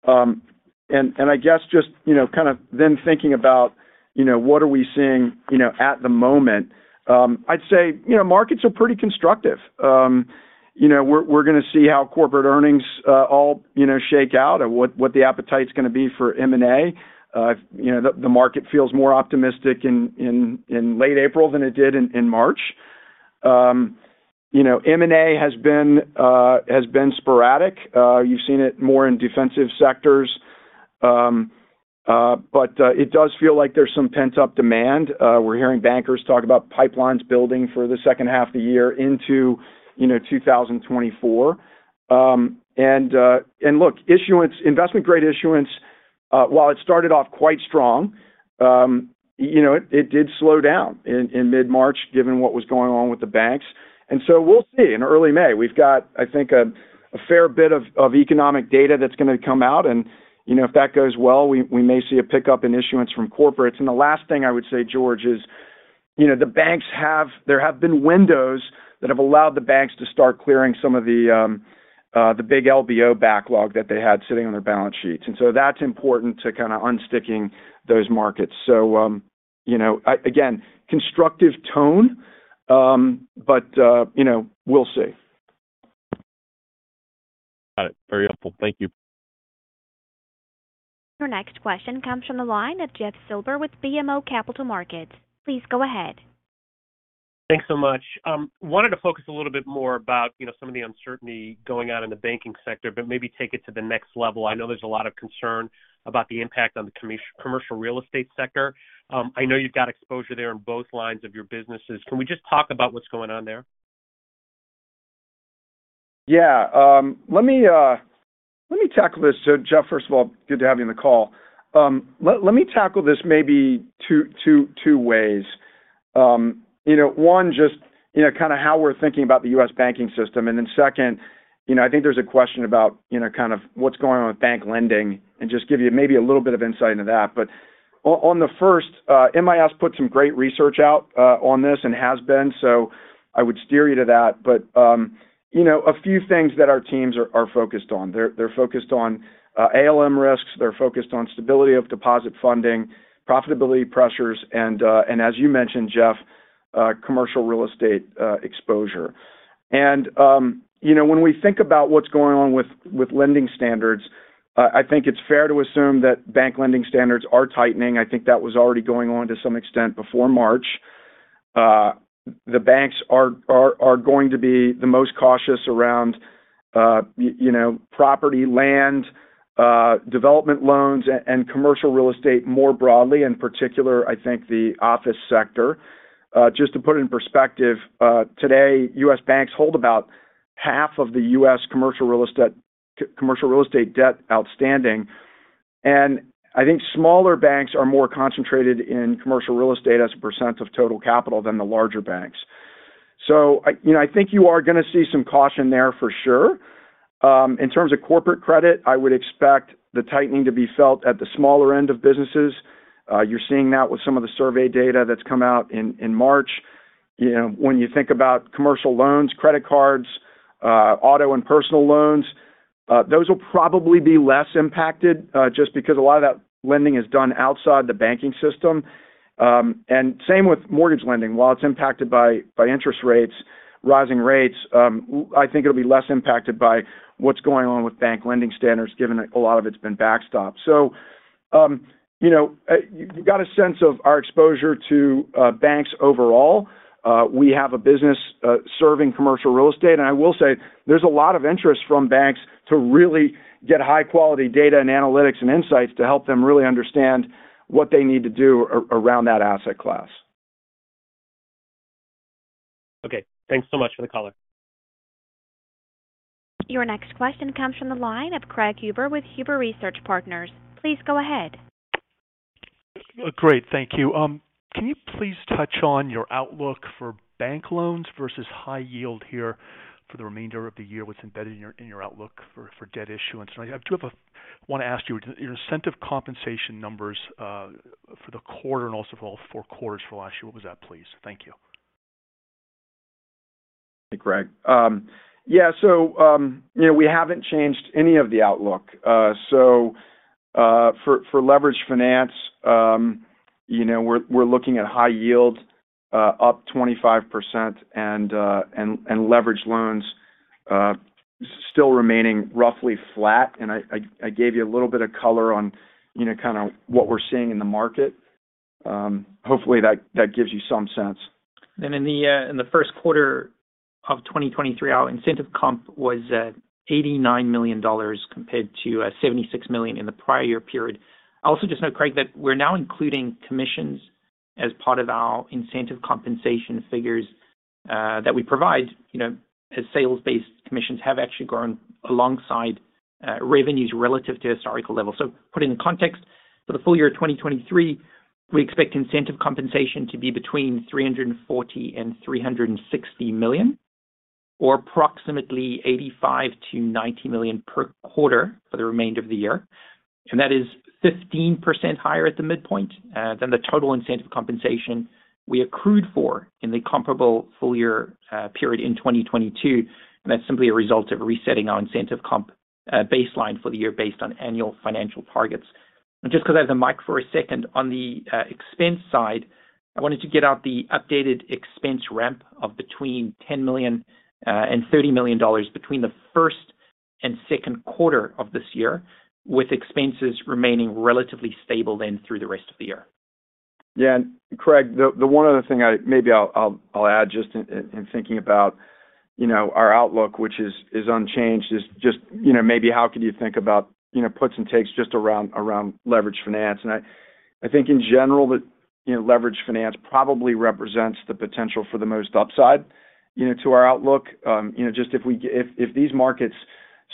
I guess just, you know, kind of then thinking about, you know, what are we seeing, you know, at the moment, I'd say, you know, markets are pretty constructive. You know, we're gonna see how corporate earnings all, you know, shake out and what the appetite's gonna be for M&A. You know, the market feels more optimistic in late April than it did in March. You know, M&A has been sporadic. You've seen it more in defensive sectors. It does feel like there's some pent-up demand. We're hearing bankers talk about pipelines building for the second half of the year into, you know, 2024. Look, investment-grade issuance, while it started off quite strong, you know, it did slow down in mid-March given what was going on with the banks. We'll see. In early May, we've got, I think, a fair bit of economic data that's gonna come out and, you know, if that goes well, we may see a pickup in issuance from corporates. The last thing I would say, George, is, you know, there have been windows that have allowed the banks to start clearing some of the big LBO backlog that they had sitting on their balance sheets. That's important to kinda unsticking those markets. You know, again, constructive tone, but, you know, we'll see. Got it. Very helpful. Thank you. Your next question comes from the line of Jeff Silber with BMO Capital Markets. Please go ahead. Thanks so much. Wanted to focus a little bit more about, you know, some of the uncertainty going on in the banking sector, but maybe take it to the next level. I know there's a lot of concern about the impact on the Commercial Real Estate sector. I know you've got exposure there in both lines of your businesses. Can we just talk about what's going on there? Yeah. Let me let me tackle this. Jeff, first of all, good to have you on the call. Let me tackle this maybe two ways. You know, one, just, you know, kind of how we're thinking about the U.S. banking system. Second, you know, I think there's a question about, you know, kind of what's going on with bank lending and just give you maybe a little bit of insight into that. On the first, MIS put some great research out on this and has been, I would steer you to that. You know, a few things that our teams are focused on. They're focused on ALM risks. They're focused on stability of deposit funding, profitability pressures, and as you mentioned, Jeff, Commercial Real Estate exposure. You know, when we think about what's going on with lending standards, I think it's fair to assume that bank lending standards are tightening. I think that was already going on to some extent before March. The banks are going to be the most cautious around, you know, property, land, development loans and Commercial Real Estate more broadly, in particular, I think the office sector. Just to put it in perspective, today U.S. banks hold about half of the U.S. Commercial Real Estate debt outstanding. I think smaller banks are more concentrated in Commercial Real Estate as a percent of total capital than the larger banks. I, you know, I think you are gonna see some caution there for sure. In terms of corporate credit, I would expect the tightening to be felt at the smaller end of businesses. You're seeing that with some of the survey data that's come out in March. You know, when you think about commercial loans, credit cards, auto and personal loans, those will probably be less impacted just because a lot of that lending is done outside the banking system. Same with mortgage lending. While it's impacted by interest rates, rising rates, I think it'll be less impacted by what's going on with bank lending standards given that a lot of it's been backstop. You know, you got a sense of our exposure to banks overall. We have a business, serving Commercial Real Estate, and I will say there's a lot of interest from banks to really get high quality data and analytics and insights to help them really understand what they need to do around that asset class. Okay. Thanks so much for the color. Your next question comes from the line of Craig Huber with Huber Research Partners. Please go ahead. Great. Thank you. Can you please touch on your outlook for bank loans versus high yield here for the remainder of the year? What's embedded in your outlook for debt issuance? I want to ask you, your incentive compensation numbers for the quarter and also for all four quarters for last year, what was that, please? Thank you. Hey, Craig. You know, we haven't changed any of the outlook. For leveraged finance, you know, we're looking at high yield up 25% and leveraged loans still remaining roughly flat. I gave you a little bit of color on, you know, kinda what we're seeing in the market. Hopefully that gives you some sense. In the first quarter of 2023, our incentive comp was at $89 million compared to $76 million in the prior year period. I also just note, Craig, that we're now including commissions as part of our incentive compensation figures that we provide, you know, as sales-based commissions have actually grown alongside revenues relative to historical levels. Put it in context, for the full year of 2023, we expect incentive compensation to be between $340 million and $360 million, or approximately $85 million-$90 million per quarter for the remainder of the year. That is 15% higher at the midpoint than the total incentive compensation we accrued for in the comparable full year period in 2022. That's simply a result of resetting our incentive comp baseline for the year based on annual financial targets. Just 'cause I have the mic for a second, on the expense side, I wanted to get out the updated expense ramp of between $10 million and $30 million between the first and second quarter of this year, with expenses remaining relatively stable then through the rest of the year. Yeah. Craig, the one other thing I maybe I'll add just in thinking about, you know, our outlook, which is unchanged, is just, you know, maybe how could you think about, you know, puts and takes just around leverage finance. I think in general that, you know, leverage finance probably represents the potential for the most upside, you know, to our outlook. You know, just if these markets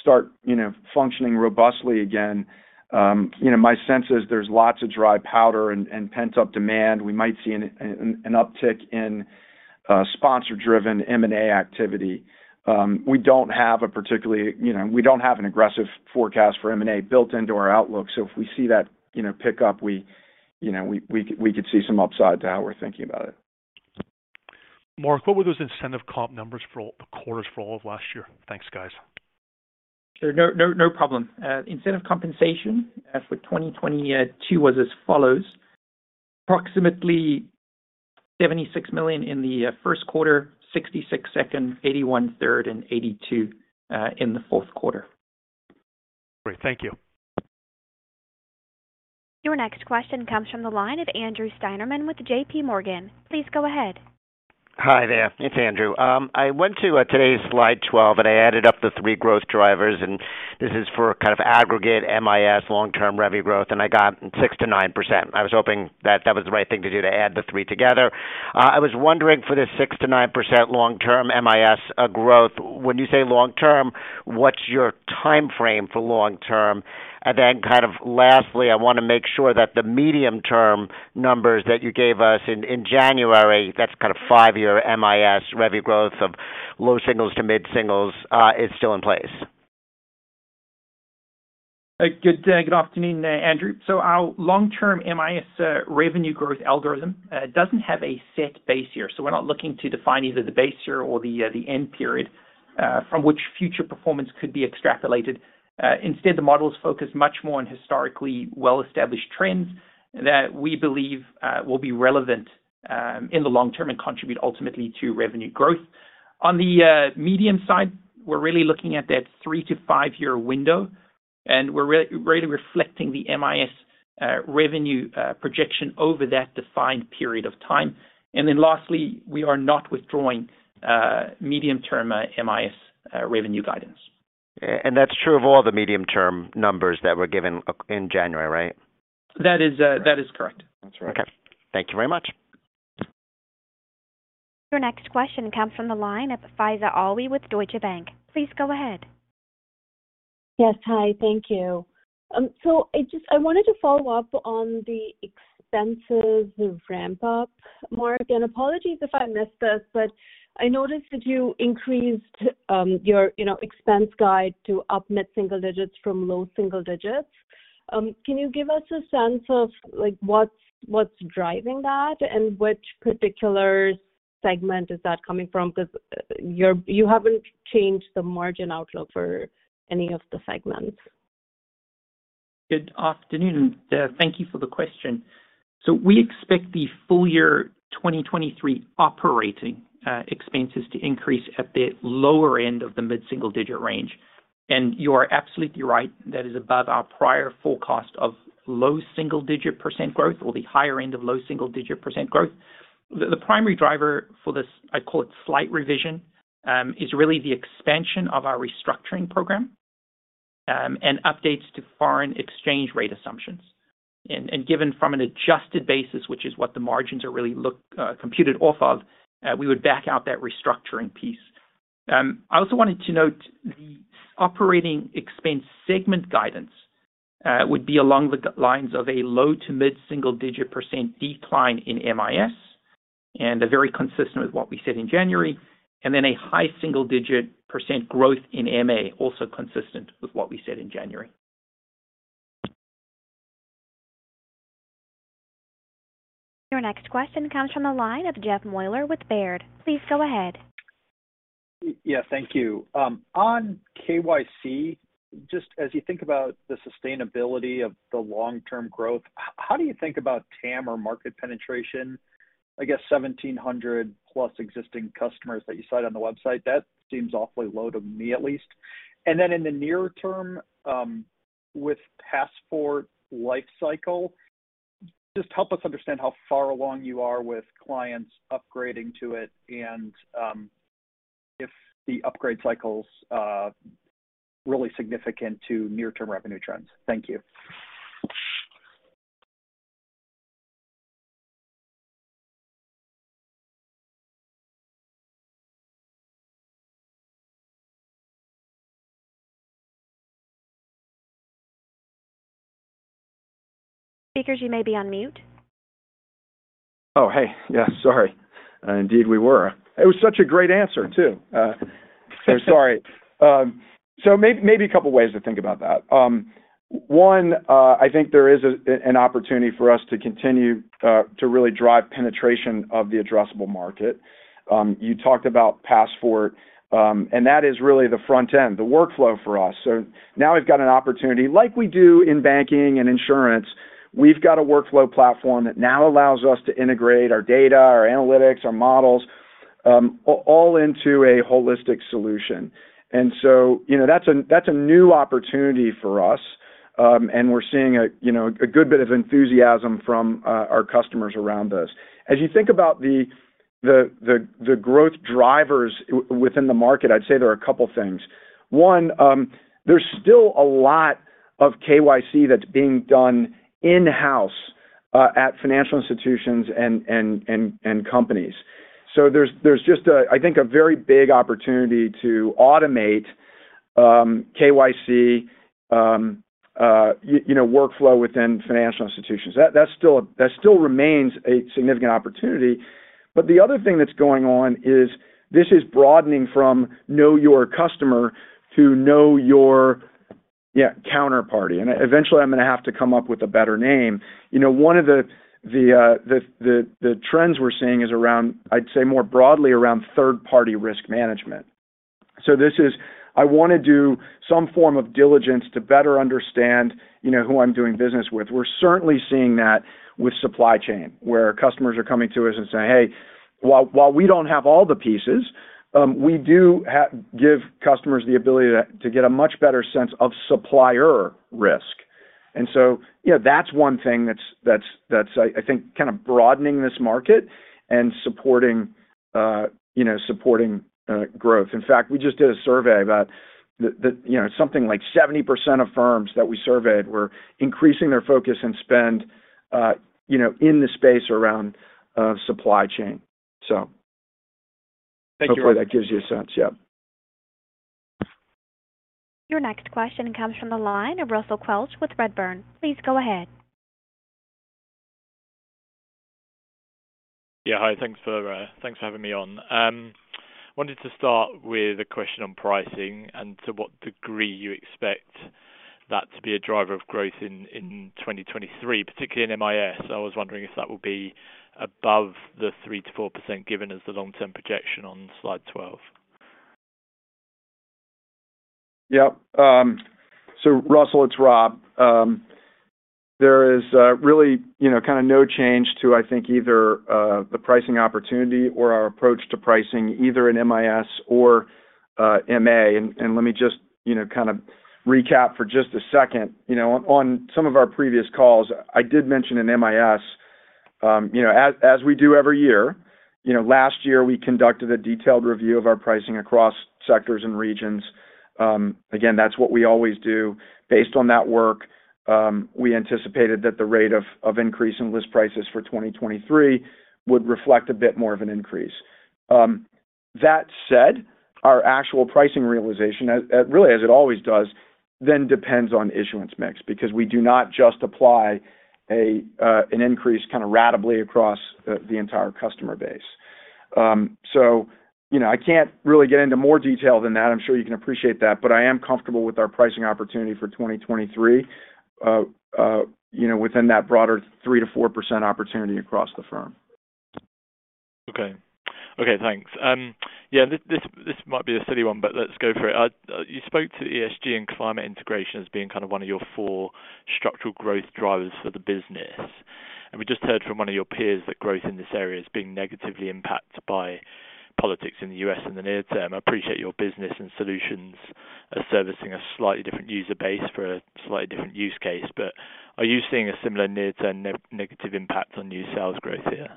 start, you know, functioning robustly again, you know, my sense is there's lots of dry powder and pent-up demand. We might see an uptick in sponsor-driven M&A activity. We don't have a particularly, you know, we don't have an aggressive forecast for M&A built into our outlook. If we see that, you know, pick up, we, you know, we could see some upside to how we're thinking about it. Mark, what were those incentive comp numbers for quarters for all of last year? Thanks, guys. Sure. No, no problem. incentive compensation for 2022 was as follows: approximately $76 million in the first quarter, $66 million second, $81 million third, and $82 million in the fourth quarter. Great. Thank you. Your next question comes from the line of Andrew Steinerman with J.P. Morgan. Please go ahead. Hi there, it's Andrew. I went to today's slide 12, and I added up the three growth drivers, and this is for kind of aggregate MIS long-term revenue growth, and I got 6%-9%. I was hoping that that was the right thing to do to add the three together. I was wondering for this 6%-9% long-term MIS growth. When you say long-term, what's your timeframe for long-term? Lastly, I wanna make sure that the medium-term numbers that you gave us in January, that's kind of five-year MIS revenue growth of low singles to mid-singles, is still in place. Good afternoon, Andrew. Our long-term MIS revenue growth algorithm doesn't have a set base year. We're not looking to define either the base year or the end period from which future performance could be extrapolated. Instead, the models focus much more on historically well-established trends that we believe will be relevant in the long term and contribute ultimately to revenue growth. On the medium side, we're really looking at that 3-5 year window, and we're really reflecting the MIS revenue projection over that defined period of time. Lastly, we are not withdrawing medium-term MIS revenue guidance. that's true of all the medium-term numbers that were given in January, right? That is correct. That's right. Okay. Thank you very much. Your next question comes from the line of Faiza Alwy with Deutsche Bank. Please go ahead. Yes. Hi. Thank you. I wanted to follow up on the expenses ramp up, Mark, and apologies if I missed this. I noticed that you increased, your, you know, expense guide to up mid-single digits from low single digits. Can you give us a sense of like, what's driving that and which particular segment is that coming from? Cause you haven't changed the margin outlook for any of the segments. Good afternoon. Thank you for the question. We expect the full year 2023 operating expenses to increase at the lower end of the mid-single-digit range. You are absolutely right, that is above our prior forecast of low single-digit percent growth or the higher end of low single-digit percent growth. The primary driver for this, I call it slight revision, is really the expansion of our restructuring program and updates to foreign exchange rate assumptions. Given from an adjusted basis, which is what the margins are really computed off of, we would back out that restructuring piece. I also wanted to note the operating expense segment guidance would be along the lines of a low to mid-single-digit percent decline in MIS, and they're very consistent with what we said in January, and then a high single-digit percent growth in MA, also consistent with what we said in January. Your next question comes from the line of Jeffrey Meuler with Baird. Please go ahead. Thank you. On KYC, just as you think about the sustainability of the long-term growth, how do you think about TAM or market penetration? I guess 1,700 plus existing customers that you cite on the website, that seems awfully low to me, at least. Then in the near term, with PassFort Lifecycle, just help us understand how far along you are with clients upgrading to it and if the upgrade cycle's really significant to near-term revenue trends. Thank you. Speakers, you may be on mute. Oh, hey. Yeah, sorry. Indeed, we were. It was such a great answer, too. Sorry. Maybe a couple ways to think about that. One, I think there is an opportunity for us to continue to really drive penetration of the addressable market. You talked about PassFort, and that is really the front end, the workflow for us. Now we've got an opportunity like we do in banking and insurance. We've got a workflow platform that now allows us to integrate our data, our analytics, our models, all into a holistic solution. You know, that's a, that's a new opportunity for us, and we're seeing a, you know, a good bit of enthusiasm from our customers around this. As you think about the growth drivers within the market, I'd say there are a couple things. One, there's still a lot of KYC that's being done in-house at financial institutions and companies. There's just a, I think, a very big opportunity to automate KYC, you know, workflow within financial institutions. That still remains a significant opportunity. The other thing that's going on is this is broadening from know your customer to know your, yeah, counterparty. Eventually I'm gonna have to come up with a better name. You know, one of the trends we're seeing is around, I'd say, more broadly around third party risk management. This is I wanna do some form of diligence to better understand, you know, who I'm doing business with. We're certainly seeing that with supply chain where customers are coming to us and saying, "Hey, while we don't have all the pieces," we do give customers the ability to get a much better sense of supplier risk. you know, that's one thing that's I think kind of broadening this market and supporting, you know, supporting growth. In fact, we just did a survey about the, you know, something like 70% of firms that we surveyed were increasing their focus and spend, you know, in the space around supply chain. Thank you. Hopefully that gives you a sense. Yeah. Your next question comes from the line of Russell Quelch with Redburn. Please go ahead. Yeah, hi. Thanks for thanks for having me on. Wanted to start with a question on pricing and to what degree you expect that to be a driver of growth in 2023, particularly in MIS. I was wondering if that will be above the 3%-4% given as the long-term projection on slide 12. Yep. Russell, it's Rob. There is, really, you know, kind of no change to, I think, either, the pricing opportunity or our approach to pricing either in MIS or, MA, let me just, you know, kind of recap for just a second. You know, on some of our previous calls, I did mention in MIS, you know, as we do every year, you know, last year we conducted a detailed review of our pricing across sectors and regions. Again, that's what we always do. Based on that work, we anticipated that the rate of increase in list prices for 2023 would reflect a bit more of an increase. That said, our actual pricing realization as, really as it always does, then depends on issuance mix because we do not just apply a an increase kinda ratably across the entire customer base. You know, I can't really get into more detail than that. I'm sure you can appreciate that, but I am comfortable with our pricing opportunity for 2023, you know, within that broader 3%-4% opportunity across the firm. Okay. Okay, thanks. Yeah, this might be a silly one, but let's go for it. You spoke to ESG and climate integration as being kind of one of your four structural growth drivers for the business. We just heard from one of your peers that growth in this area is being negatively impacted by politics in the U.S. in the near term. I appreciate your business and solutions are servicing a slightly different user base for a slightly different use case. Are you seeing a similar near-term negative impact on new sales growth here?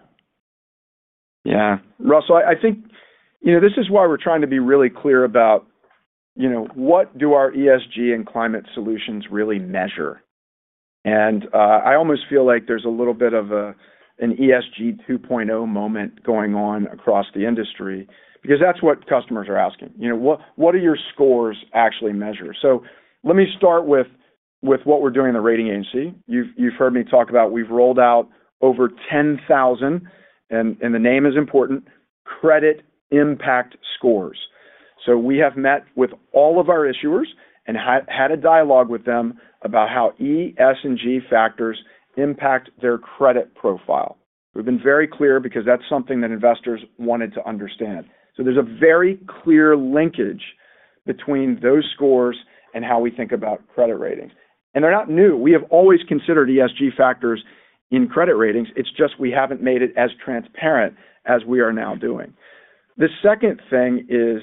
Yeah. Russell, I think, you know, this is why we're trying to be really clear about, you know, what do our ESG and climate solutions really measure? I almost feel like there's a little bit of a, an ESG 2.0 moment going on across the industry because that's what customers are asking. You know, what do your scores actually measure? Let me start with what we're doing in the rating agency. You've heard me talk about we've rolled out over 10,000, and the name is important, credit impact scores. We have met with all of our issuers and had a dialogue with them about how E, S, and G factors impact their credit profile. We've been very clear because that's something that investors wanted to understand. There's a very clear linkage between those scores and how we think about credit ratings. They're not new. We have always considered ESG factors in credit ratings. It's just we haven't made it as transparent as we are now doing. The second thing is,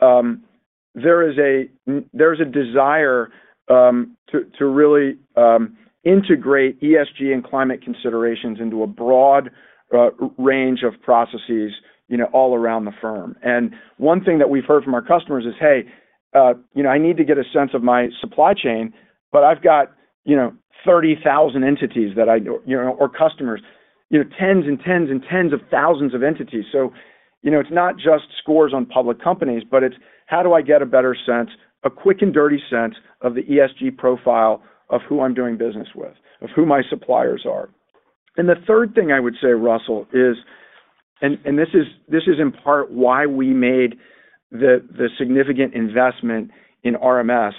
there is a desire to really integrate ESG and climate considerations into a broad range of processes, you know, all around the firm. One thing that we've heard from our customers is, "Hey, you know, I need to get a sense of my supply chain, but I've got, you know, 30,000 entities, you know, or customers." You know, tens of thousands of entities. You know, it's not just scores on public companies, but it's how do I get a better sense, a quick and dirty sense of the ESG profile of who I'm doing business with, of who my suppliers are. The third thing I would say, Russell, is, and this is in part why we made the significant investment in RMS,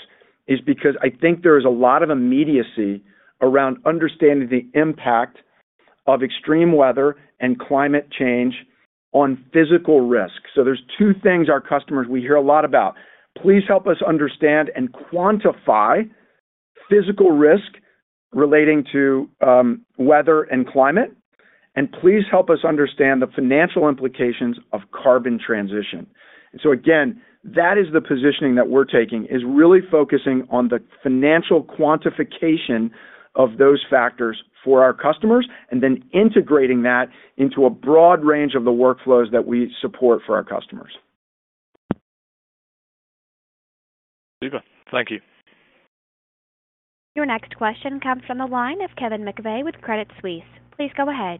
is because I think there is a lot of immediacy around understanding the impact of extreme weather and climate change on physical risk. There's two things our customers we hear a lot about. Please help us understand and quantify physical risk relating to weather and climate, and please help us understand the financial implications of carbon transition. Again, that is the positioning that we're taking, is really focusing on the financial quantification of those factors for our customers, and then integrating that into a broad range of the workflows that we support for our customers. Super. Thank you. Your next question comes from the line of Kevin McVeigh with Credit Suisse. Please go ahead.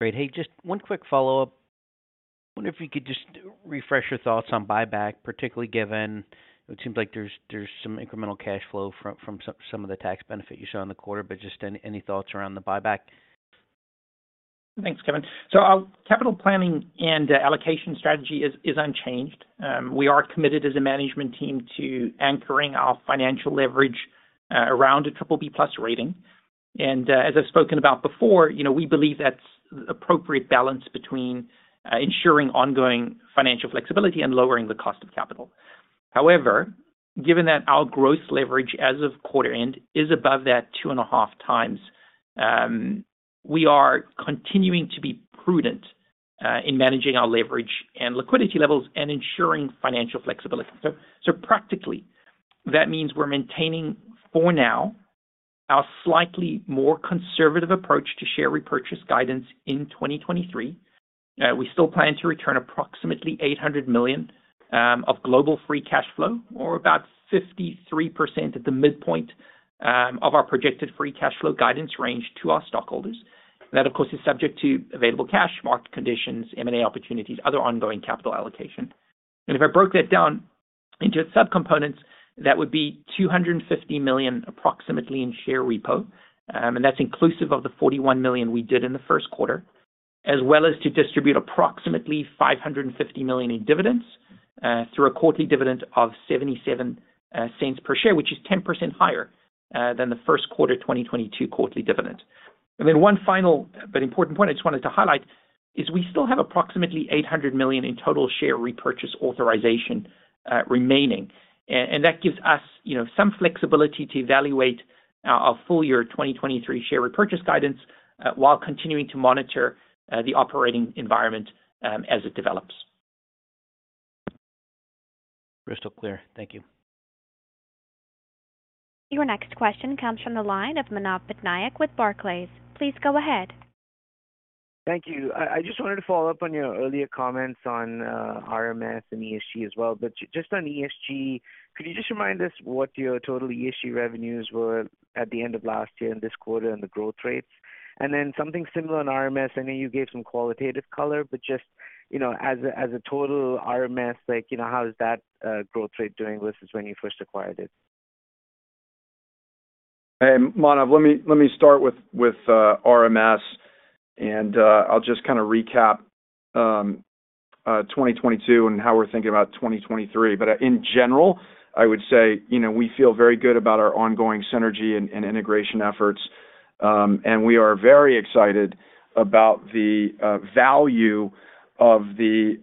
Great. Hey, just one quick follow-up. Wonder if you could just refresh your thoughts on buyback, particularly given it seems like there's some incremental cash flow from some of the tax benefit you saw in the quarter, but just any thoughts around the buyback? Thanks, Kevin. Our capital planning and allocation strategy is unchanged. We are committed as a management team to anchoring our financial leverage around a BBB+ rating. As I've spoken about before, you know, we believe that's appropriate balance between ensuring ongoing financial flexibility and lowering the cost of capital. However, given that our gross leverage as of quarter end is above that 2.5 times, we are continuing to be prudent in managing our leverage and liquidity levels and ensuring financial flexibility. Practically, that means we're maintaining, for now, our slightly more conservative approach to share repurchase guidance in 2023. We still plan to return approximately $800 million of global free cash flow or about 53% at the midpoint of our projected free cash flow guidance range to our stockholders. That, of course, is subject to available cash, market conditions, M&A opportunities, other ongoing capital allocation. If I broke that down into its subcomponents, that would be $250 million approximately in share repo, and that's inclusive of the $41 million we did in the first quarter, as well as to distribute approximately $550 million in dividends through a quarterly dividend of $0.77 per share, which is 10% higher than the first quarter 2022 quarterly dividend. One final but important point I just wanted to highlight is we still have approximately $800 million in total share repurchase authorization, remaining. That gives us, you know, some flexibility to evaluate our full year 2023 share repurchase guidance, while continuing to monitor the operating environment as it develops. Crystal clear. Thank you. Your next question comes from the line of Manav Patnaik with Barclays. Please go ahead. Thank you. I just wanted to follow up on your earlier comments on RMS and ESG as well. Just on ESG, could you just remind us what your total ESG revenues were at the end of last year and this quarter and the growth rates? Something similar on RMS. I know you gave some qualitative color, but just, you know, as a, as a total RMS, like, you know, how is that growth rate doing versus when you first acquired it? Hey, Manav, let me start with RMS. I'll just kinda recap, 2022 and how we're thinking about 2023. In general, I would say, you know, we feel very good about our ongoing synergy and integration efforts. We are very excited about the value of the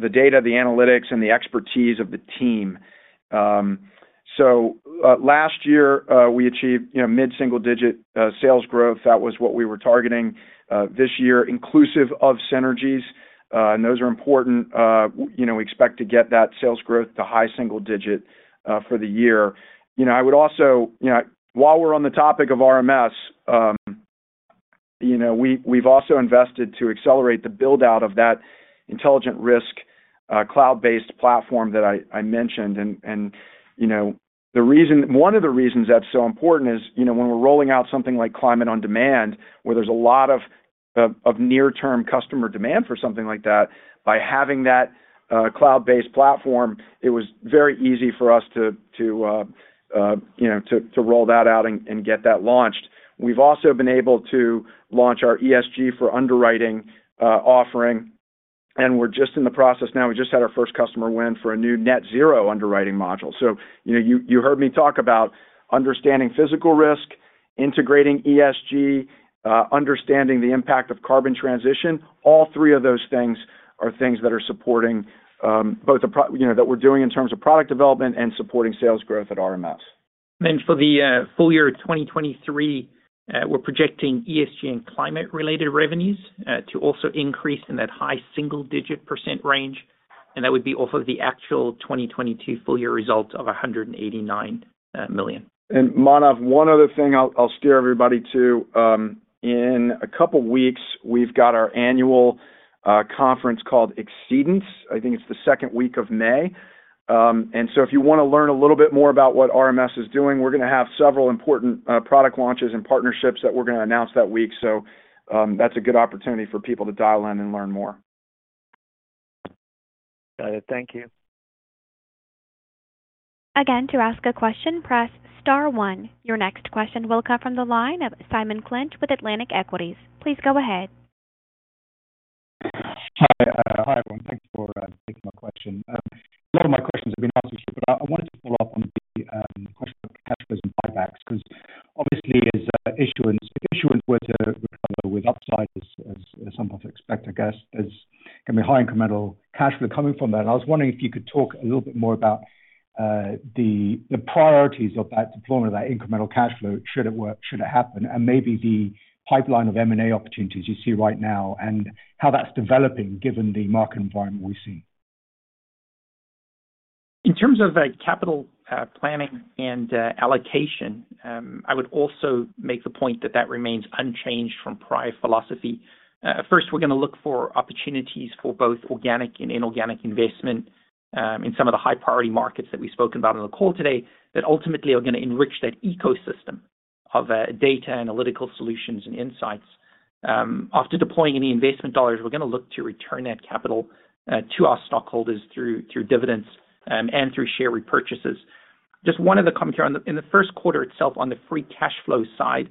data, the analytics, and the expertise of the team. Last year, we achieved, you know, mid-single digit sales growth. That was what we were targeting this year, inclusive of synergies. Those are important. You know, we expect to get that sales growth to high single digit for the year. You know, I would also. You know, while we're on the topic of RMS, we've also invested to accelerate the build-out of that intelligent risk cloud-based platform that I mentioned. One of the reasons that's so important is, when we're rolling out something like Climate On Demand, where there's a lot of near-term customer demand for something like that, by having that cloud-based platform, it was very easy for us to roll that out and get that launched. We've also been able to launch our ESG for underwriting offering, and we're just in the process now. We just had our first customer win for a new net zero underwriting module. You know, you heard me talk about understanding physical risk, integrating ESG, understanding the impact of carbon transition. All three of those things are things that are supporting, both the you know, that we're doing in terms of product development and supporting sales growth at RMS. For the full year 2023, we're projecting ESG and climate-related revenues to also increase in that high single-digit percent range, and that would be off of the actual 2022 full year results of $189 million. Manav, one other thing I'll steer everybody to, in a couple weeks, we've got our annual conference called Exceedance. I think it's the second week of May. If you want to learn a little bit more about what RMS is doing, we're gonna have several important product launches and partnerships that we're gonna announce that week. That's a good opportunity for people to dial in and learn more. Got it. Thank you. Again, to ask a question, press star one. Your next question will come from the line of Simon Clinch with Atlantic Equities. Please go ahead. Hi. Hi, everyone. Thanks for taking my question. A lot of my questions have been answered, but I wanted to follow up on the question of cash flows and buybacks, 'cause obviously as issuance, if issuance were to recover with upside as some of us expect, I guess, there's gonna be high incremental cash flow coming from that. I was wondering if you could talk a little bit more about the priorities of that deployment of that incremental cash flow should it work, should it happen, and maybe the pipeline of M&A opportunities you see right now and how that's developing given the market environment we see. In terms of capital, planning and allocation, I would also make the point that that remains unchanged from prior philosophy. First we're gonna look for opportunities for both organic and inorganic investment, in some of the high-priority markets that we've spoken about on the call today that ultimately are gonna enrich that ecosystem of data, analytical solutions, and insights. After deploying any investment dollars, we're gonna look to return that capital to our stockholders through dividends, and through share repurchases. Just one other comment here. In the first quarter itself, on the free cash flow side,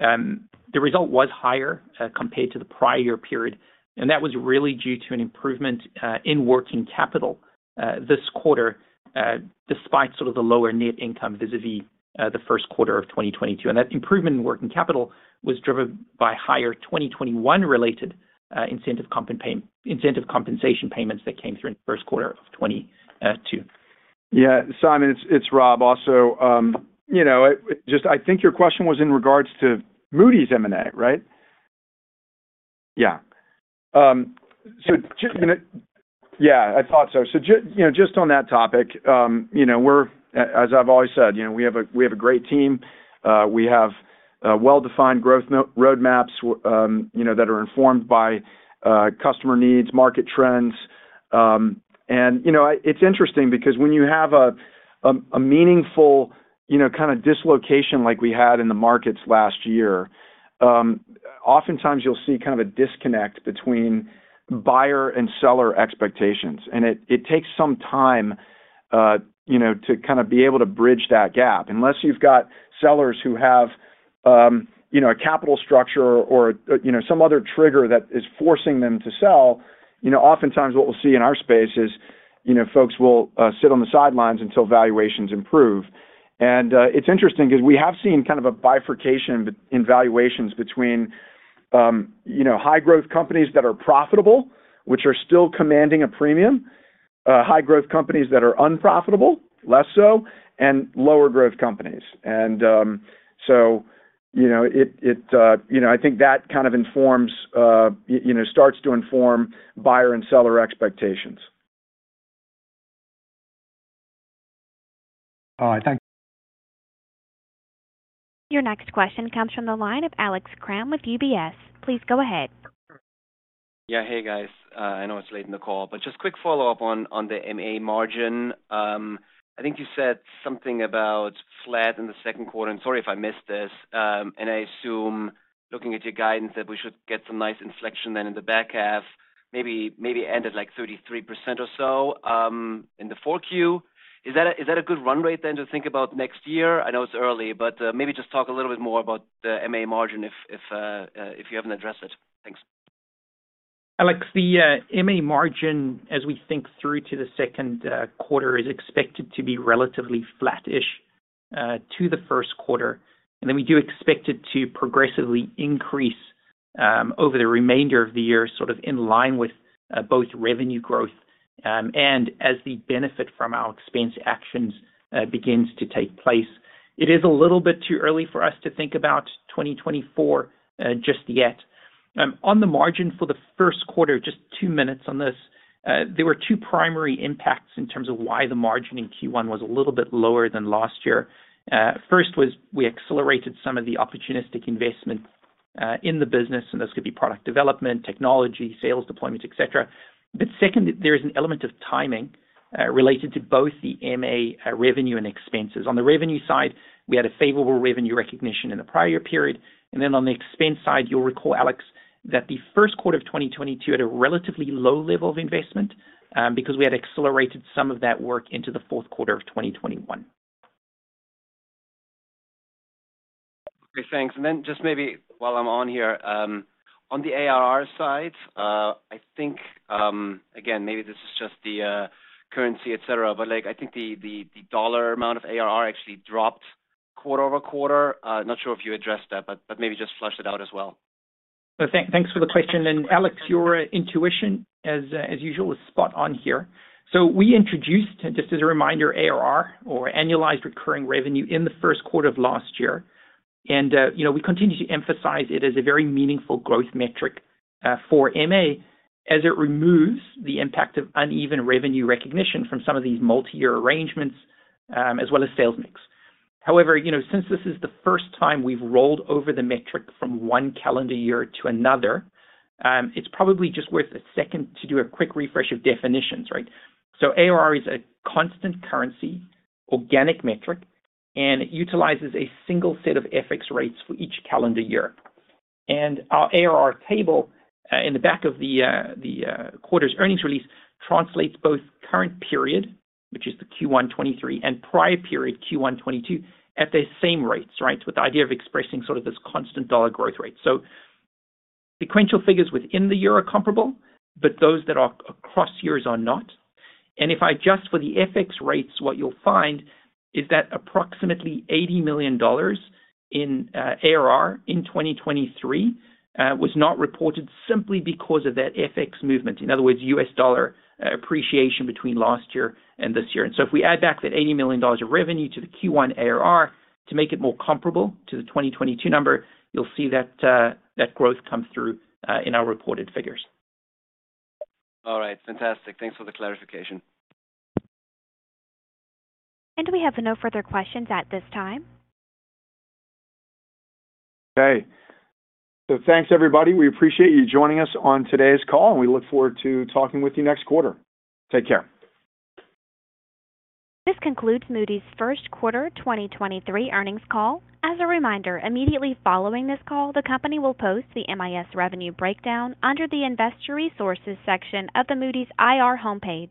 the result was higher compared to the prior period, that was really due to an improvement in working capital this quarter despite sort of the lower net income vis-a-vis the first quarter of 2022. That improvement in working capital was driven by higher 2021 related incentive compensation payments that came through in the first quarter of 2002. Yeah. Simon, it's Rob also. You know, just I think your question was in regards to Moody's M&A, right? Yeah. I thought so. You know, just on that topic, you know, As I've always said, you know, we have a great team. We have well-defined growth roadmaps, you know, that are informed by customer needs, market trends. You know, it's interesting because when you have a meaningful, you know, kind of dislocation like we had in the markets last year, oftentimes you'll see kind of a disconnect between buyer and seller expectations. It takes some time, you know, to kind of be able to bridge that gap. Unless you've got sellers who have, you know, a capital structure or, you know, some other trigger that is forcing them to sell, you know, oftentimes what we'll see in our space is, you know, folks will sit on the sidelines until valuations improve. It's interesting because we have seen kind of a bifurcation in valuations between, you know, high growth companies that are profitable, which are still commanding a premium, high growth companies that are unprofitable, less so, and lower growth companies. You know, it, you know, I think that kind of informs, you know, starts to inform buyer and seller expectations. All right. Thank you. Your next question comes from the line of Alex Kramm with UBS. Please go ahead. Yeah. Hey, guys. I know it's late in the call, just quick follow-up on the MA margin. I think you said something about flat in the second quarter, sorry if I missed this. I assume looking at your guidance that we should get some nice inflection then in the back half, maybe end at like 33% or so in the Q4. Is that a good run rate to think about next year? I know it's early, maybe just talk a little bit more about the MA margin if you haven't addressed it. Thanks. Alex, the MA margin, as we think through to the second quarter, is expected to be relatively flat-ish to the first quarter. Then we do expect it to progressively increase over the remainder of the year, sort of in line with both revenue growth and as the benefit from our expense actions begins to take place. It is a little bit too early for us to think about 2024 just yet. On the margin for the first quarter, just two minutes on this, there were two primary impacts in terms of why the margin in Q1 was a little bit lower than last year. First was we accelerated some of the opportunistic investment in the business, and this could be product development, technology, sales deployment, et cetera. Second, there is an element of timing related to both the MA revenue and expenses. On the revenue side, we had a favorable revenue recognition in the prior period. On the expense side, you'll recall, Alex, that the first quarter of 2022 had a relatively low level of investment because we had accelerated some of that work into the fourth quarter of 2021. Okay, thanks. Just maybe while I'm on here, on the ARR side, I think, again, maybe this is just the currency, et cetera, but like I think the dollar amount of ARR actually dropped quarter-over-quarter. Not sure if you addressed that, but maybe just flesh it out as well. Thanks for the question. Alex, your intuition as usual, is spot on here. We introduced, just as a reminder, ARR or annualized recurring revenue in the first quarter of last year. You know, we continue to emphasize it as a very meaningful growth metric for MA as it removes the impact of uneven revenue recognition from some of these multi-year arrangements, as well as sales mix. However, you know, since this is the first time we've rolled over the metric from one calendar year to another, it's probably just worth a second to do a quick refresh of definitions, right? ARR is a constant currency organic metric, and it utilizes a single set of FX rates for each calendar year. Our ARR table in the back of the quarter's earnings release translates both current period, which is the Q1 2023, and prior period Q1 2022 at the same rates. With the idea of expressing sort of this constant dollar growth rate. Sequential figures within the year are comparable, but those that are across years are not. If I adjust for the FX rates, what you'll find is that approximately $80 million in ARR in 2023 was not reported simply because of that FX movement. In other words, US dollar appreciation between last year and this year. If we add back that $80 million of revenue to the Q1 ARR to make it more comparable to the 2022 number, you'll see that growth come through in our reported figures. All right. Fantastic. Thanks for the clarification. We have no further questions at this time. Okay. Thanks, everybody. We appreciate you joining us on today's call, and we look forward to talking with you next quarter. Take care. This concludes Moody's first quarter 2023 earnings call. As a reminder, immediately following this call, the company will post the MIS revenue breakdown under the Investor Resources section of the Moody's IR homepage.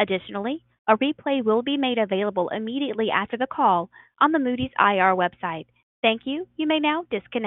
A replay will be made available immediately after the call on the Moody's IR website. Thank you. You may now disconnect.